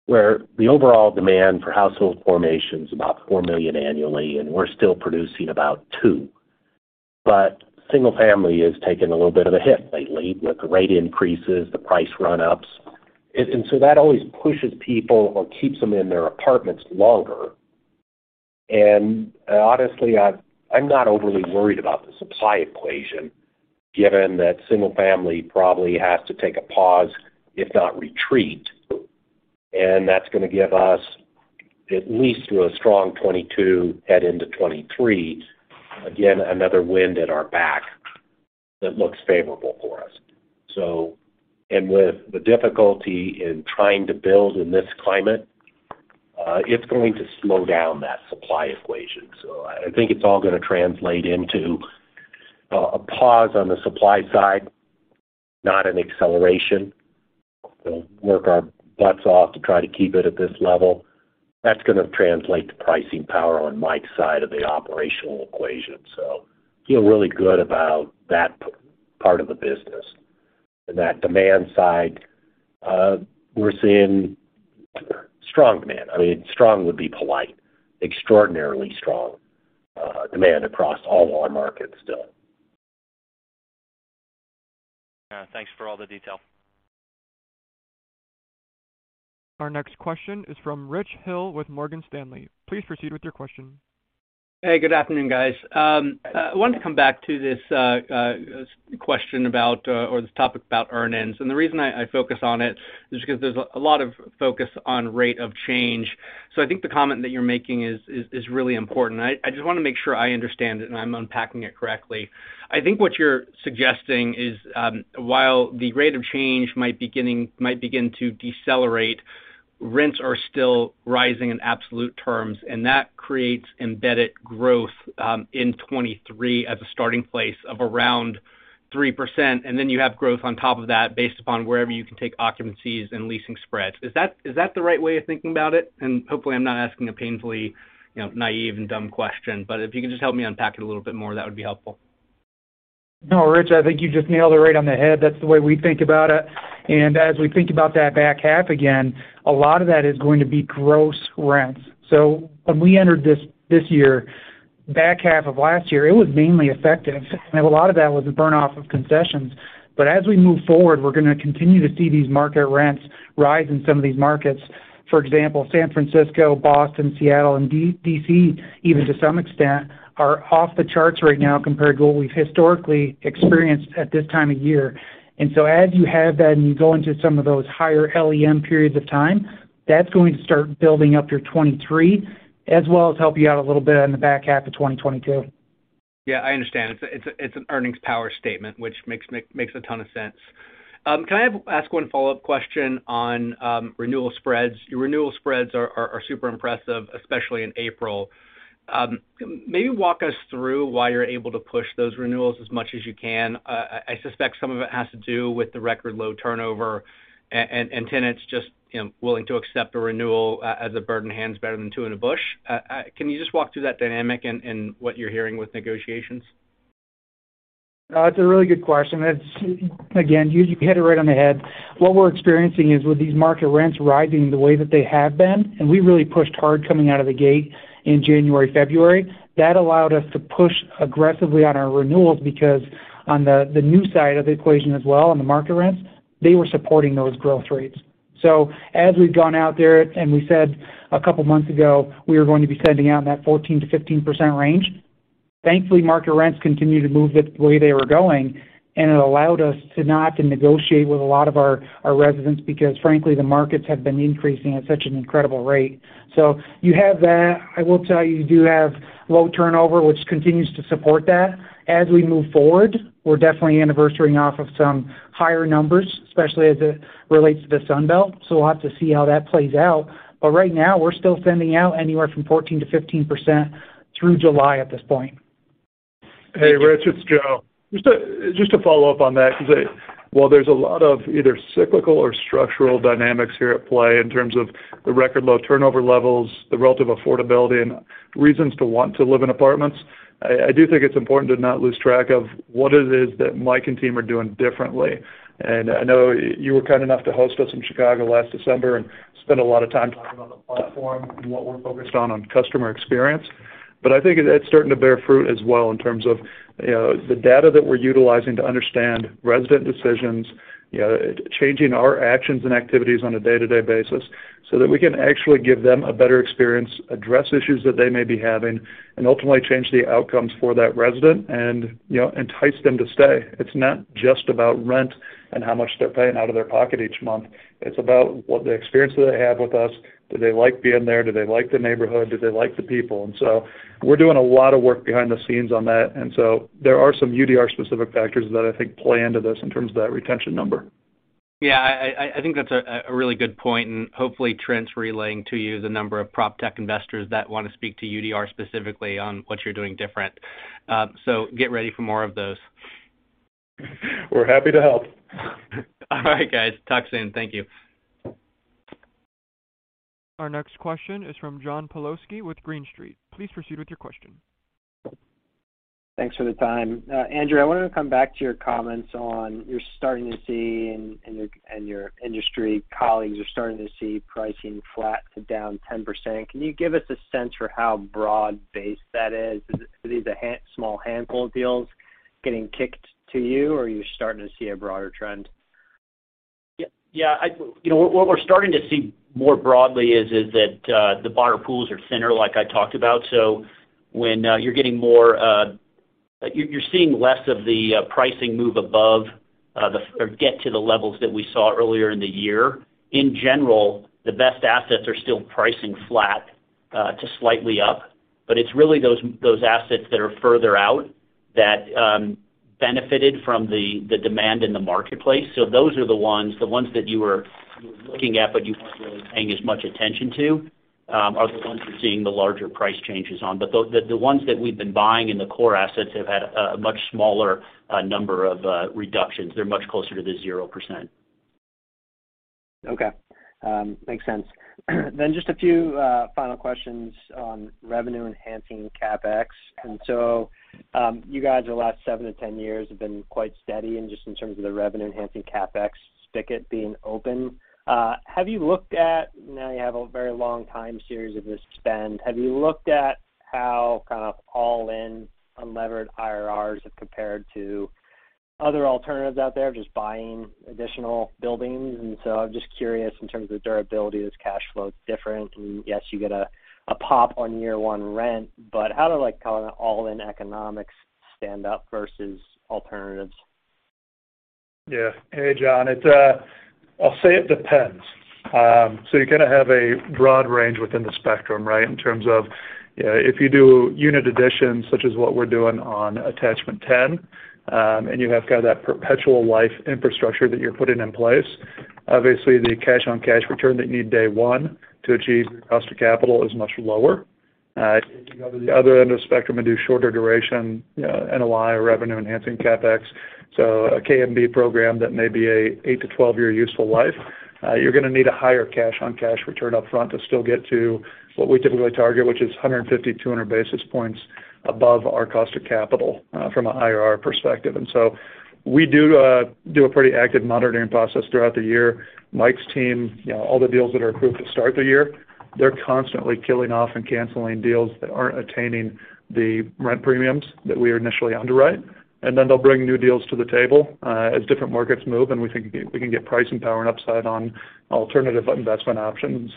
where the overall demand for household formation is about 4 million annually, and we're still producing about two. Single family has taken a little bit of a hit lately with the rate increases, the price run-ups. That always pushes people or keeps them in their apartments longer. Honestly, I’m not overly worried about the supply equation, given that single family probably has to take a pause, if not retreat. That's gonna give us at least through a strong 2022, head into 2023, again, another wind at our back that looks favorable for us. With the difficulty in trying to build in this climate, it's going to slow down that supply equation. I think it's all gonna translate into a pause on the supply side, not an acceleration. We'll work our butts off to try to keep it at this level. That's gonna translate to pricing power on Mike's side of the operational equation. Feel really good about that part of the business. That demand side, we're seeing strong demand. I mean, strong would be polite. Extraordinarily strong demand across all our markets still. Yeah. Thanks for all the detail. Our next question is from Rich Hill with Morgan Stanley. Please proceed with your question. Hey, good afternoon, guys. I wanted to come back to this question about, or this topic about earnings. The reason I focus on it is because there's a lot of focus on rate of change. I think the comment that you're making is really important. I just wanna make sure I understand it and I'm unpacking it correctly. I think what you're suggesting is, while the rate of change might begin to decelerate, rents are still rising in absolute terms, and that creates embedded growth in 2023 as a starting place of around 3%. Then you have growth on top of that based upon wherever you can take occupancies and leasing spreads. Is that the right way of thinking about it? Hopefully I'm not asking a painfully, you know, naive and dumb question, but if you could just help me unpack it a little bit more, that would be helpful. No, Rich, I think you just nailed it right on the head. That's the way we think about it. As we think about that back half again, a lot of that is going to be gross rents. When we entered this year, back half of last year, it was mainly effective. A lot of that was a burn-off of concessions. As we move forward, we're gonna continue to see these market rents rise in some of these markets. For example, San Francisco, Boston, Seattle, and D.C., even to some extent, are off the charts right now compared to what we've historically experienced at this time of year. As you have that and you go into some of those higher LEM periods of time, that's going to start building up your 2023 as well as help you out a little bit in the back half of 2022. Yeah, I understand. It's an earnings power statement, which makes a ton of sense. Can I ask one follow-up question on renewal spreads? Your renewal spreads are super impressive, especially in April. Maybe walk us through why you're able to push those renewals as much as you can. I suspect some of it has to do with the record low turnover and tenants just, you know, willing to accept a renewal as a bird in hand better than two in a bush. Can you just walk through that dynamic and what you're hearing with negotiations? It's a really good question. It's, again, you hit it right on the head. What we're experiencing is with these market rents rising the way that they have been, and we really pushed hard coming out of the gate in January, February, that allowed us to push aggressively on our renewals because on the new side of the equation as well, on the market rents, they were supporting those growth rates. As we've gone out there, and we said a couple months ago, we were going to be sending out in that 14%-15% range. Thankfully, market rents continued to move the way they were going, and it allowed us to not have to negotiate with a lot of our residents because frankly, the markets have been increasing at such an incredible rate. You have that. I will tell you do have low turnover, which continues to support that. As we move forward, we're definitely anniversarying off of some higher numbers, especially as it relates to the Sun Belt. So we'll have to see how that plays out. Right now, we're still sending out anywhere from 14%-15% through July at this point. Hey, Rich, it's Joe. Just to follow up on that, 'cause while there's a lot of either cyclical or structural dynamics here at play in terms of the record low turnover levels, the relative affordability and reasons to want to live in apartments, I do think it's important to not lose track of what it is that Mike and team are doing differently. I know you were kind enough to host us in Chicago last December and spend a lot of time talking on the platform and what we're focused on on customer experience. I think it's starting to bear fruit as well in terms of, you know, the data that we're utilizing to understand resident decisions, you know, changing our actions and activities on a day-to-day basis so that we can actually give them a better experience, address issues that they may be having, and ultimately change the outcomes for that resident and, you know, entice them to stay. It's not just about rent and how much they're paying out of their pocket each month. It's about what the experience that they have with us. Do they like being there? Do they like the neighborhood? Do they like the people? We're doing a lot of work behind the scenes on that. There are some UDR specific factors that I think play into this in terms of that retention number. Yeah, I think that's a really good point, and hopefully Trent's relaying to you the number of prop tech investors that want to speak to UDR specifically on what you're doing different. Get ready for more of those. We're happy to help. All right, guys. Talk soon. Thank you. Our next question is from John Pawlowski with Green Street. Please proceed with your question. Thanks for the time. Andrew, I wanted to come back to your comments on your starting to see and your industry colleagues are starting to see pricing flat to down 10%. Can you give us a sense for how broad-based that is? Is it a small handful of deals getting kicked to you, or are you starting to see a broader trend? Yeah, yeah. You know what we're starting to see more broadly is that the buyer pools are thinner like I talked about. When you're getting more You're seeing less of the pricing move above or get to the levels that we saw earlier in the year. In general, the best assets are still pricing flat to slightly up, but it's really those assets that are further out that benefited from the demand in the marketplace. Those are the ones that you were looking at, but you weren't really paying as much attention to are the ones you're seeing the larger price changes on. The ones that we've been buying in the core assets have had a much smaller number of reductions. They're much closer to the 0%. Okay. Makes sense. Just a few final questions on revenue-enhancing CapEx. You guys, the last 7-10 years have been quite steady and just in terms of the revenue-enhancing CapEx spigot being open. Now you have a very long time series of this spend. Have you looked at how kind of all-in unlevered IRRs have compared to other alternatives out there, just buying additional buildings? I'm just curious in terms of durability, is cash flow different? Yes, you get a pop on year 1 rent, but how do, like, all-in economics stand up versus alternatives? Yeah. Hey, John, it's, I'll say it depends. So you kind of have a broad range within the spectrum, right? In terms of, you know, if you do unit additions such as what we're doing on attachment 10, and you have kind of that perpetual life infrastructure that you're putting in place, obviously, the cash-on-cash return that you need day one to achieve your cost of capital is much lower. If you go to the other end of the spectrum and do shorter duration, you know, NOI or revenue-enhancing CapEx, so a K&B program that may be an eight to 12-year useful life, you're gonna need a higher cash-on-cash return up front to still get to what we typically target, which is 150-200 basis points above our cost of capital, from an IRR perspective. We do a pretty active monitoring process throughout the year. Mike's team, you know, all the deals that are approved to start the year, they're constantly killing off and canceling deals that aren't attaining the rent premiums that we initially underwrite. Then they'll bring new deals to the table, as different markets move, and we think we can get pricing power and upside on alternative investment options.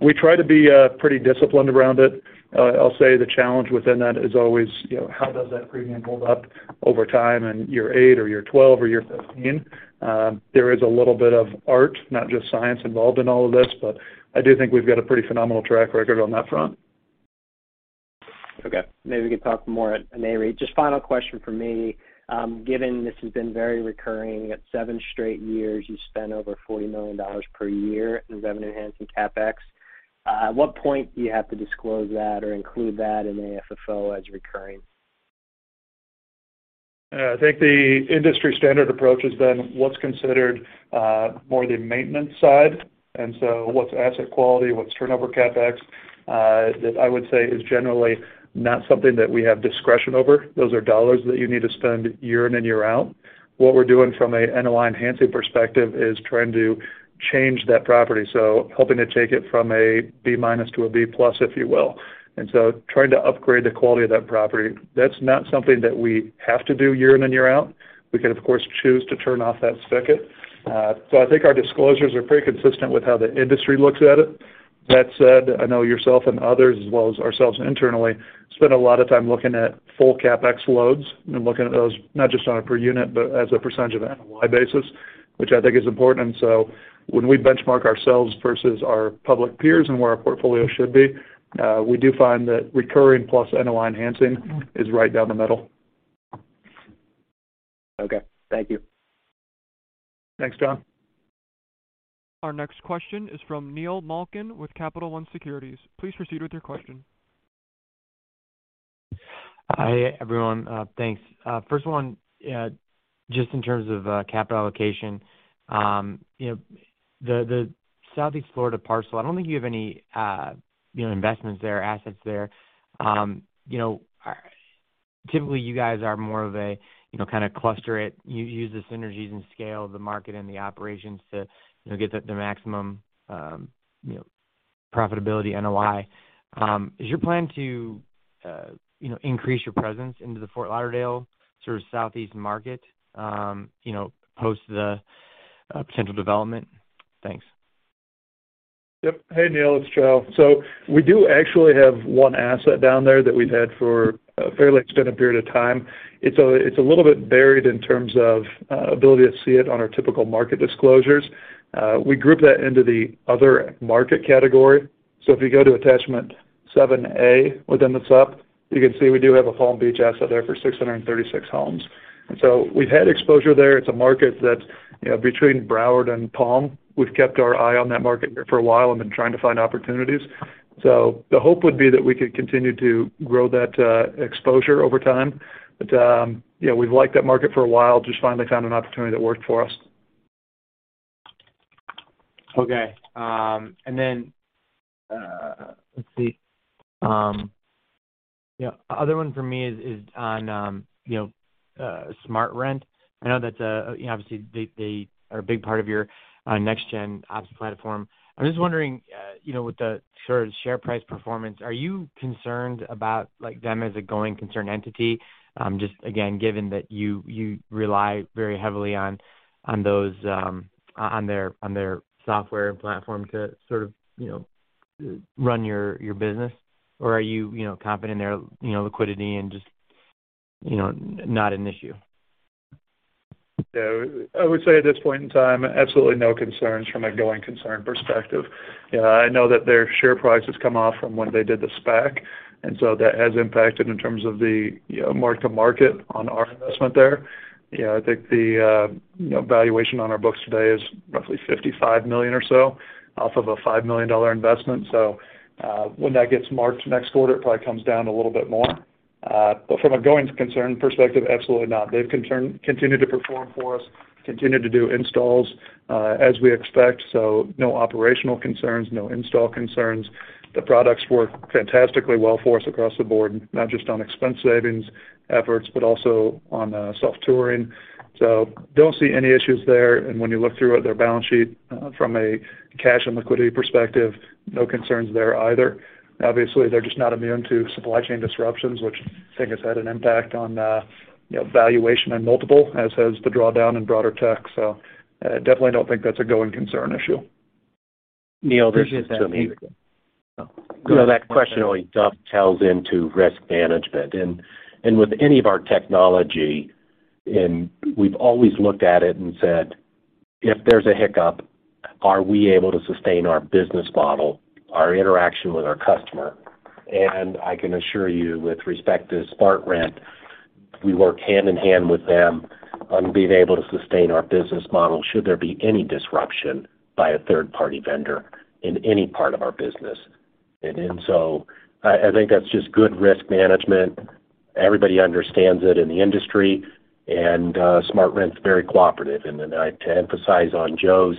We try to be pretty disciplined around it. I'll say the challenge within that is always, you know, how does that premium hold up over time in year eight or year 12 or year 15? There is a little bit of art, not just science, involved in all of this, but I do think we've got a pretty phenomenal track record on that front. Okay. Maybe we could talk more at NAREIT. Just final question from me. Given this has been very recurring, at seven straight years, you've spent over $40 million per year in revenue-enhancing CapEx, at what point do you have to disclose that or include that in AFFO as recurring? I think the industry standard approach has been what's considered, more the maintenance side, and so what's asset quality, what's turnover CapEx, that I would say is generally not something that we have discretion over. Those are dollars that you need to spend year in and year out. What we're doing from a NOI enhancing perspective is trying to change that property, so hoping to take it from a B- to a B+, if you will. Trying to upgrade the quality of that property, that's not something that we have to do year in and year out. We could, of course, choose to turn off that spigot. I think our disclosures are pretty consistent with how the industry looks at it. That said, I know yourself and others, as well as ourselves internally, spend a lot of time looking at full CapEx loads and looking at those not just on a per unit, but as a percentage of NOI basis, which I think is important. When we benchmark ourselves versus our public peers and where our portfolio should be, we do find that recurring plus NOI enhancing is right down the middle. Okay. Thank you. Thanks, John. Our next question is from Neil Malkin with Capital One Securities. Please proceed with your question. Hi, everyone. Thanks. 1st one, just in terms of capital allocation, you know, the Southeast Florida parcel, I don't think you have any, you know, investments there or assets there. You know, typically, you guys are more of a, you know, kind of cluster it. You use the synergies and scale of the market and the operations to, you know, get the maximum, you know, profitability NOI. Is your plan to, you know, increase your presence into the Fort Lauderdale sort of southeast market, you know, post the potential development? Thanks. Yep. Hey, Neil, it's Joe. We do actually have one asset down there that we've had for a fairly extended period of time. It's a little bit buried in terms of ability to see it on our typical market disclosures. We group that into the other market category. If you go to attachment 7A within the sup, you can see we do have a Palm Beach asset there for 636 homes. We've had exposure there. It's a market that's, you know, between Broward and Palm. We've kept our eye on that market for a while and been trying to find opportunities. The hope would be that we could continue to grow that exposure over time. You know, we've liked that market for a while, just finally found an opportunity that worked for us. Yeah, other one for me is on, you know, SmartRent. I know that's obviously they are a big part of your next-gen ops platform. I'm just wondering, you know, with the sort of share price performance, are you concerned about, like, them as a going concern entity? Just again, given that you rely very heavily on their software platform to sort of, you know, to run your business? Or are you know, confident in their, you know, liquidity and just, you know, not an issue? I would say at this point in time, absolutely no concerns from a going concern perspective. I know that their share price has come off from when they did the SPAC, and so that has impacted in terms of the, you know, mark to market on our investment there. I think the, you know, valuation on our books today is roughly $55 million or so off of a $5 million investment. When that gets marked next quarter, it probably comes down a little bit more. From a going concern perspective, absolutely not. They've continued to perform for us, continued to do installs, as we expect, so no operational concerns, no install concerns. The products work fantastically well for us across the board, not just on expense savings efforts, but also on, self-touring. Don't see any issues there. When you look through at their balance sheet, from a cash and liquidity perspective, no concerns there either. Obviously, they're just not immune to supply chain disruptions, which I think has had an impact on, you know, valuation and multiple, as has the drawdown in broader tech. Definitely don't think that's a going concern issue. Neil, this is to me. Appreciate that, Peter. Go ahead, Mike. You know, that question really dovetails into risk management. With any of our technology, we've always looked at it and said, If there's a hiccup, are we able to sustain our business model, our interaction with our customer? I can assure you with respect to SmartRent, we work hand in hand with them on being able to sustain our business model should there be any disruption by a third-party vendor in any part of our business. I think that's just good risk management. Everybody understands it in the industry, and SmartRent's very cooperative. To emphasize on Joe's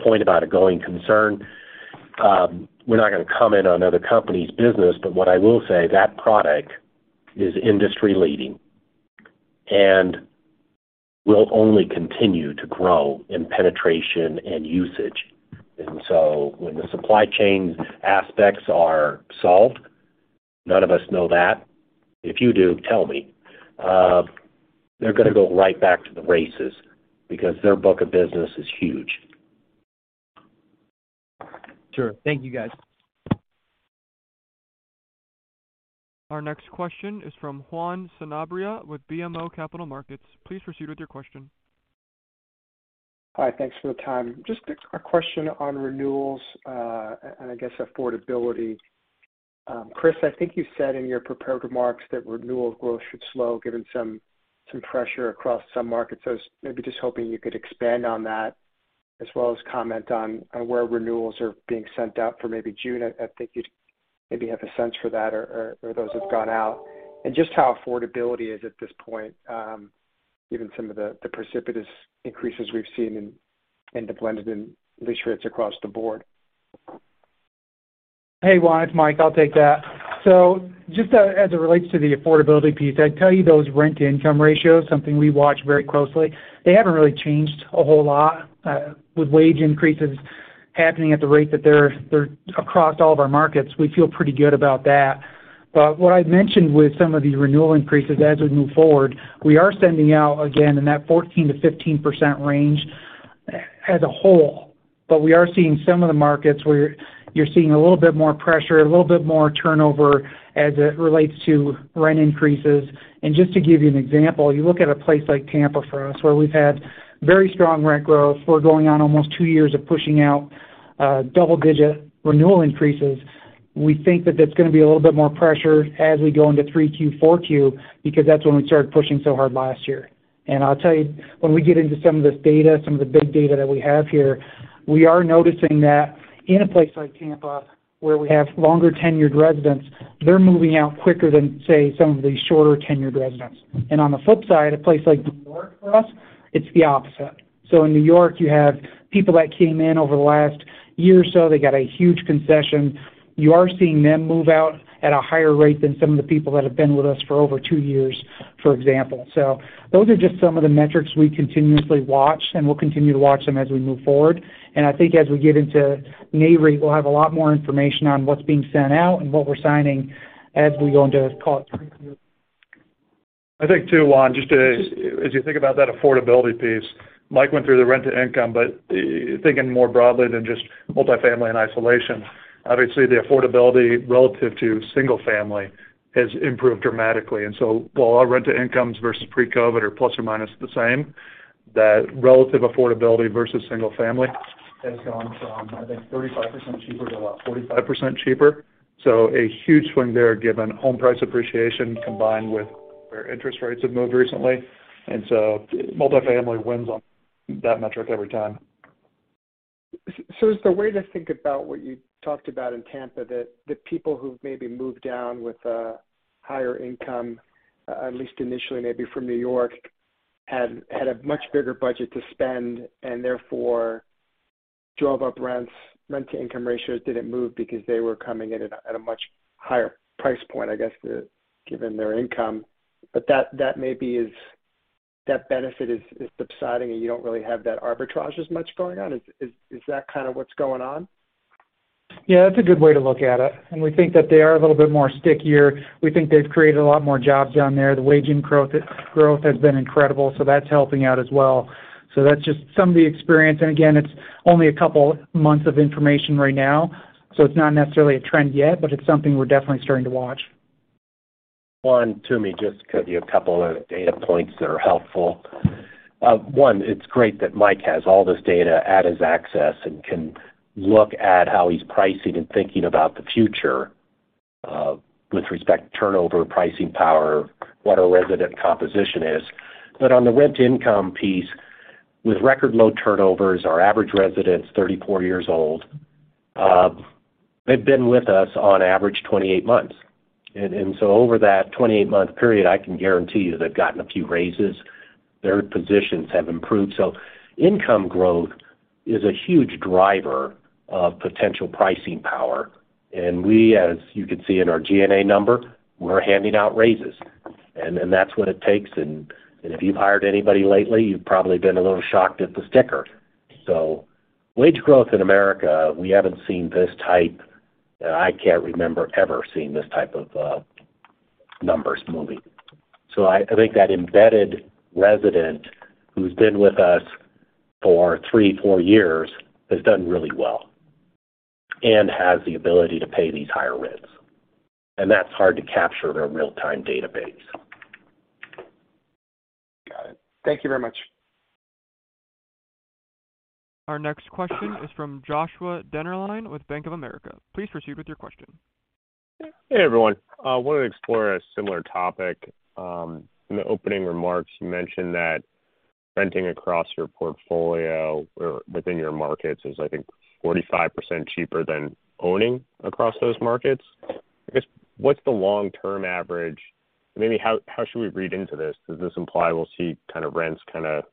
point about a going concern, we're not gonna comment on other company's business, but what I will say, that product is industry leading and will only continue to grow in penetration and usage. When the supply chain aspects are solved, none of us know that. If you do, tell me. They're gonna go right back to the races because their book of business is huge. Sure. Thank you, guys. Our next question is from Juan Sanabria with BMO Capital Markets. Please proceed with your question. Hi. Thanks for the time. Just a question on renewals and, I guess, affordability. Chris, I think you said in your prepared remarks that renewal growth should slow given some pressure across some markets. I was maybe just hoping you could expand on that as well as comment on where renewals are being sent out for maybe June. I think you'd maybe have a sense for that or those have gone out. Just how affordability is at this point given some of the precipitous increases we've seen in the blended and lease rates across the board. Hey, Juan. It's Mike. I'll take that. Just as it relates to the affordability piece, I'd tell you those rent-to-income ratios, something we watch very closely, they haven't really changed a whole lot. With wage increases happening at the rate that they're across all of our markets, we feel pretty good about that. What I mentioned with some of these renewal increases as we move forward, we are sending out again in that 14%-15% range as a whole. We are seeing some of the markets where you're seeing a little bit more pressure, a little bit more turnover as it relates to rent increases. Just to give you an example, you look at a place like Tampa for us, where we've had very strong rent growth. We're going on almost two years of pushing out double-digit renewal increases. We think that that's gonna be a little bit more pressure as we go into 3Q, 4Q, because that's when we started pushing so hard last year. I'll tell you, when we get into some of this data, some of the big data that we have here, we are noticing that in a place like Tampa, where we have longer tenured residents, they're moving out quicker than, say, some of the shorter tenured residents. On the flip side, a place like New York for us, it's the opposite. In New York, you have people that came in over the last year or so, they got a huge concession. You are seeing them move out at a higher rate than some of the people that have been with us for over two years, for example. Those are just some of the metrics we continuously watch, and we'll continue to watch them as we move forward. I think as we get into May rate, we'll have a lot more information on what's being sent out and what we're signing as we go into, call it, 3Q. I think too, Juan, as you think about that affordability piece, Mike went through the rent to income, but thinking more broadly than just multifamily and isolation, obviously the affordability relative to single family has improved dramatically. While our rent to income's versus pre-COVID are plus or minus the same, that relative affordability versus single family has gone from, I think, 35% cheaper to about 45% cheaper. A huge swing there given home price appreciation combined with where interest rates have moved recently. Multifamily wins on that metric every time. Is the way to think about what you talked about in Tampa, that the people who've maybe moved down with a higher income, at least initially maybe from New York, had a much bigger budget to spend, and therefore drove up rents. Rent-to-income ratios didn't move because they were coming in at a much higher price point, I guess, given their income. That benefit is subsiding, and you don't really have that arbitrage as much going on. Is that kind of what's going on? Yeah, that's a good way to look at it. We think that they are a little bit more stickier. We think they've created a lot more jobs down there. The wage growth has been incredible, so that's helping out as well. That's just some of the experience. Again, it's only a couple months of information right now, so it's not necessarily a trend yet, but it's something we're definitely starting to watch. 1, to me, just give you a couple of data points that are helpful. 1, it's great that Mike has all this data at his access and can look at how he's pricing and thinking about the future, with respect to turnover, pricing power, what our resident composition is. On the rent-to-income piece, with record low turnovers, our average resident's 34 years old. They've been with us on average 28 months. So over that 28-month period, I can guarantee you they've gotten a few raises. Their positions have improved. Income growth is a huge driver of potential pricing power. We, as you can see in our G&A number, we're handing out raises, and that's what it takes. If you've hired anybody lately, you've probably been a little shocked at the sticker. Wage growth in America, we haven't seen this type of numbers moving. I can't remember ever seeing this type of numbers moving. I think that embedded resident who's been with us for three, four years has done really well and has the ability to pay these higher rents. That's hard to capture in a real-time database. Got it. Thank you very much. Our next question is from Joshua Dennerlein with Bank of America. Please proceed with your question. Hey, everyone. I want to explore a similar topic. In the opening remarks, you mentioned that renting across your portfolio or within your markets is, I think, 45% cheaper than owning across those markets. I guess, what's the long-term average? Maybe how should we read into this? Does this imply we'll see kind of rents kind of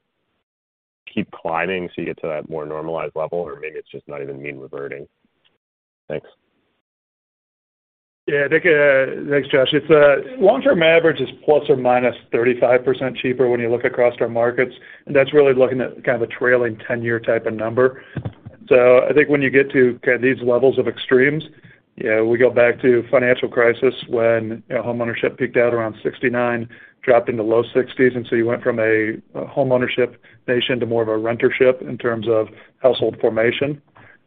keep climbing, so you get to that more normalized level? Or maybe it's just not even mean reverting. Thanks. Yeah. I think, thanks, Josh. It's long-term average is ±35% cheaper when you look across our markets, and that's really looking at kind of a trailing 10-year type of number. I think when you get to kind of these levels of extremes, you know, we go back to financial crisis when, you know, homeownership peaked out around 69, dropped into low 60s, and so you went from a homeownership nation to more of a rentership in terms of household formation.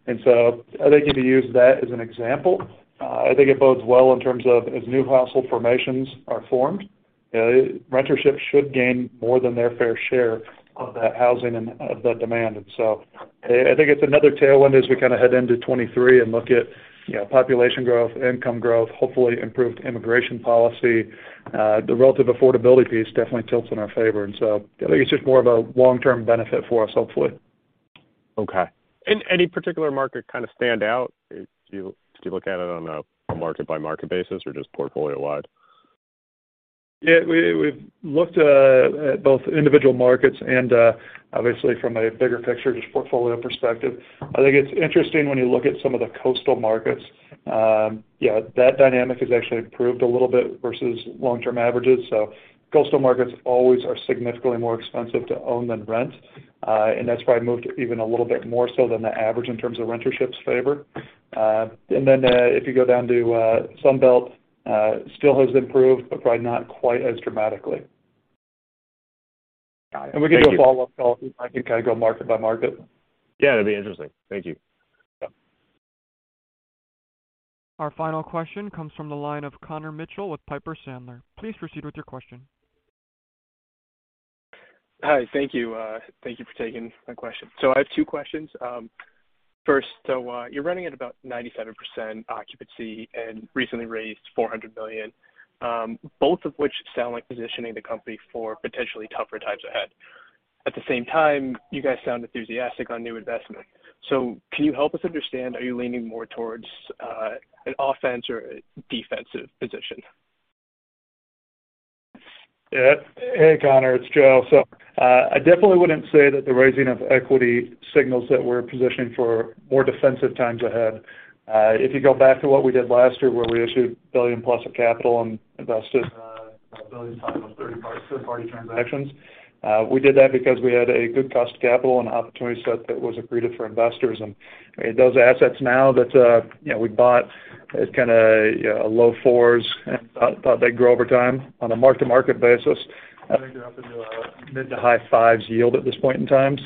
I think if you use that as an example, I think it bodes well in terms of as new household formations are formed, rentership should gain more than their fair share of that housing and of that demand. I think it's another tailwind as we kind of head into 2023 and look at, you know, population growth, income growth, hopefully improved immigration policy. The relative affordability piece definitely tilts in our favor. I think it's just more of a long-term benefit for us, hopefully. Okay. Any particular market kind of stand out if you look at it on a market-by-market basis or just portfolio wide? Yeah. We've looked at both individual markets and obviously from a bigger picture, just portfolio perspective. I think it's interesting when you look at some of the coastal markets. Yeah, that dynamic has actually improved a little bit versus long-term averages. Coastal markets always are significantly more expensive to own than rent. That's probably moved even a little bit more so than the average in terms of rentership's favor. If you go down to Sunbelt, still has improved, but probably not quite as dramatically. Got it. Thank you. We can do a follow-up call if you'd like, and kind of go market by market. Yeah, that'd be interesting. Thank you. Yep. Our final question comes from the line of Connor Mitchell with Piper Sandler. Please proceed with your question. Hi. Thank you. Thank you for taking my question. I have two questions. 1st, you're running at about 97% occupancy and recently raised $400 million, both of which sound like positioning the company for potentially tougher times ahead. At the same time, you guys sound enthusiastic on new investment. Can you help us understand, are you leaning more towards an offense or a defensive position? Yeah. Hey, Connor, it's Joe. I definitely wouldn't say that the raising of equity signals that we're positioning for more defensive times ahead. If you go back to what we did last year, where we issued $1 billion plus of capital and invested a $1 billion plus on third-party transactions, we did that because we had a good cost of capital and opportunity set that was accretive for investors. Those assets now that you know we bought at kind of you know low 4s and thought they'd grow over time on a mark-to-market basis, I think they're up into a mid- to high 5s yield at this point in time.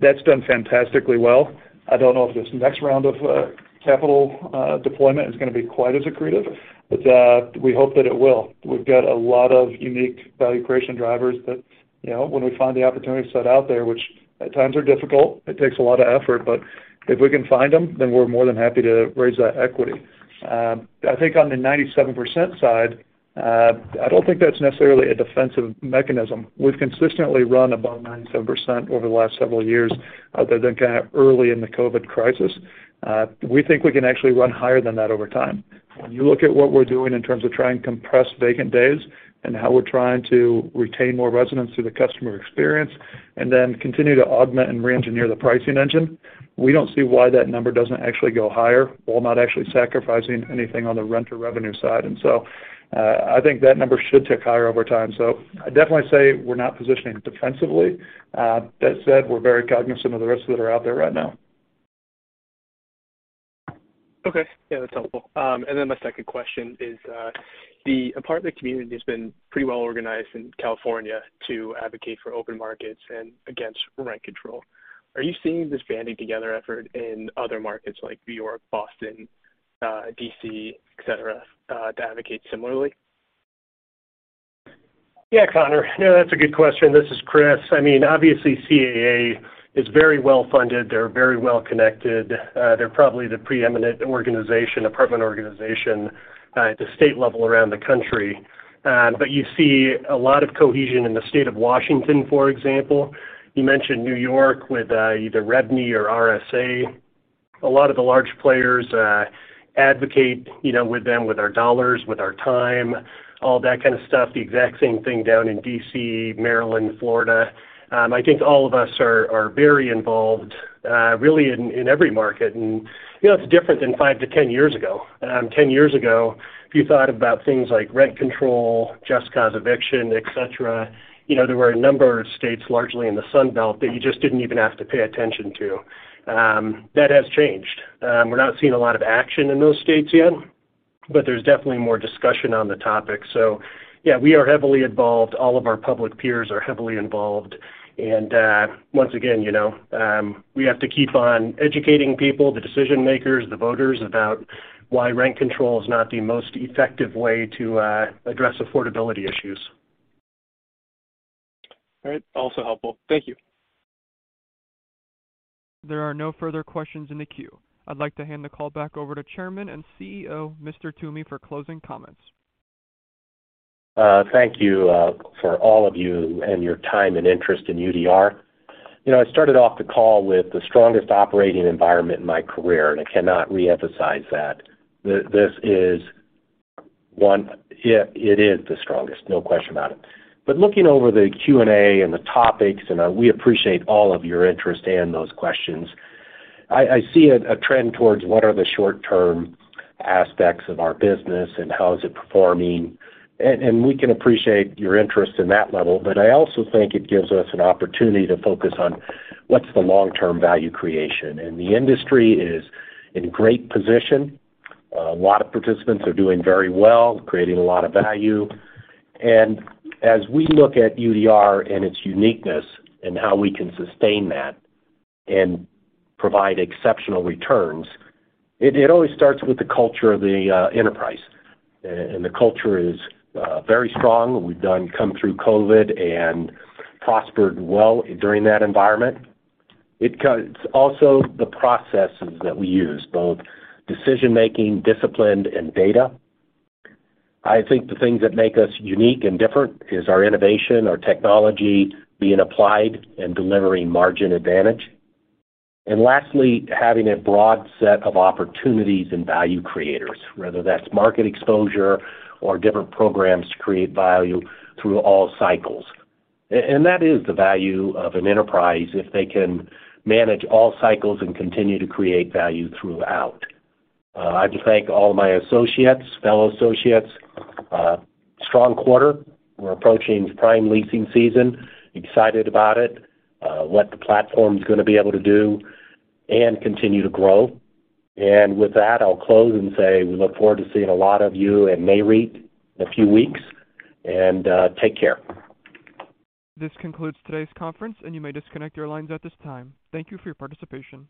That's done fantastically well. I don't know if this next round of capital deployment is gonna be quite as accretive, but we hope that it will. We've got a lot of unique value creation drivers that, you know, when we find the opportunity set out there, which at times are difficult, it takes a lot of effort, but if we can find them, then we're more than happy to raise that equity. I think on the 97% side, I don't think that's necessarily a defensive mechanism. We've consistently run above 97% over the last several years other than kind of early in the COVID crisis. We think we can actually run higher than that over time. When you look at what we're doing in terms of trying to compress vacant days and how we're trying to retain more residents through the customer experience and then continue to augment and re-engineer the pricing engine, we don't see why that number doesn't actually go higher while not actually sacrificing anything on the renter revenue side. I think that number should tick higher over time. I definitely say we're not positioning defensively. That said, we're very cognizant of the risks that are out there right now. Okay. Yeah, that's helpful. My 2nd question is, the apartment community has been pretty well organized in California to advocate for open markets and against rent control. Are you seeing this banding together effort in other markets like New York, Boston, D.C., et cetera, to advocate similarly? Yeah, Connor. No, that's a good question. This is Chris. I mean, obviously, CAA is very well-funded. They're very well-connected. They're probably the preeminent organization, apartment organization, at the state level around the country. But you see a lot of cohesion in the State of Washington, for example. You mentioned New York with, either REBNY or RSA. A lot of the large players advocate, you know, with them, with our dollars, with our time, all that kind of stuff. The exact same thing down in D.C., Maryland, Florida. I think all of us are very involved, really in every market. You know, it's different than five to 10 years ago. 10 years ago, if you thought about things like rent control, just cause eviction, et cetera, you know, there were a number of states, largely in the Sun Belt, that you just didn't even have to pay attention to. That has changed. We're not seeing a lot of action in those states yet, but there's definitely more discussion on the topic. Yeah, we are heavily involved. All of our public peers are heavily involved. Once again, you know, we have to keep on educating people, the decision-makers, the voters about why rent control is not the most effective way to address affordability issues. All right. Also helpful. Thank you. There are no further questions in the queue. I'd like to hand the call back over to Chairman and CEO, Mr. Toomey, for closing comments. Thank you for all of you and your time and interest in UDR. You know, I started off the call with the strongest operating environment in my career, and I cannot reemphasize that. This is one. It is the strongest, no question about it. But looking over the Q&A and the topics, and we appreciate all of your interest and those questions. I see a trend towards what are the short-term aspects of our business and how is it performing, and we can appreciate your interest in that level. But I also think it gives us an opportunity to focus on what's the long-term value creation. The industry is in great position. A lot of participants are doing very well, creating a lot of value. As we look at UDR and its uniqueness and how we can sustain that and provide exceptional returns, it always starts with the culture of the enterprise. The culture is very strong. We've come through COVID and prospered well during that environment. It's also the processes that we use, both decision-making, disciplined, and data. I think the things that make us unique and different is our innovation, our technology being applied and delivering margin advantage. Lastly, having a broad set of opportunities and value creators, whether that's market exposure or different programs to create value through all cycles. That is the value of an enterprise, if they can manage all cycles and continue to create value throughout. I'd like to thank all my associates, fellow associates. Strong quarter. We're approaching prime leasing season. Excited about it, what the platform's gonna be able to do and continue to grow. With that, I'll close and say we look forward to seeing a lot of you at Nareit in a few weeks. Take care. This concludes today's conference, and you may disconnect your lines at this time. Thank you for your participation.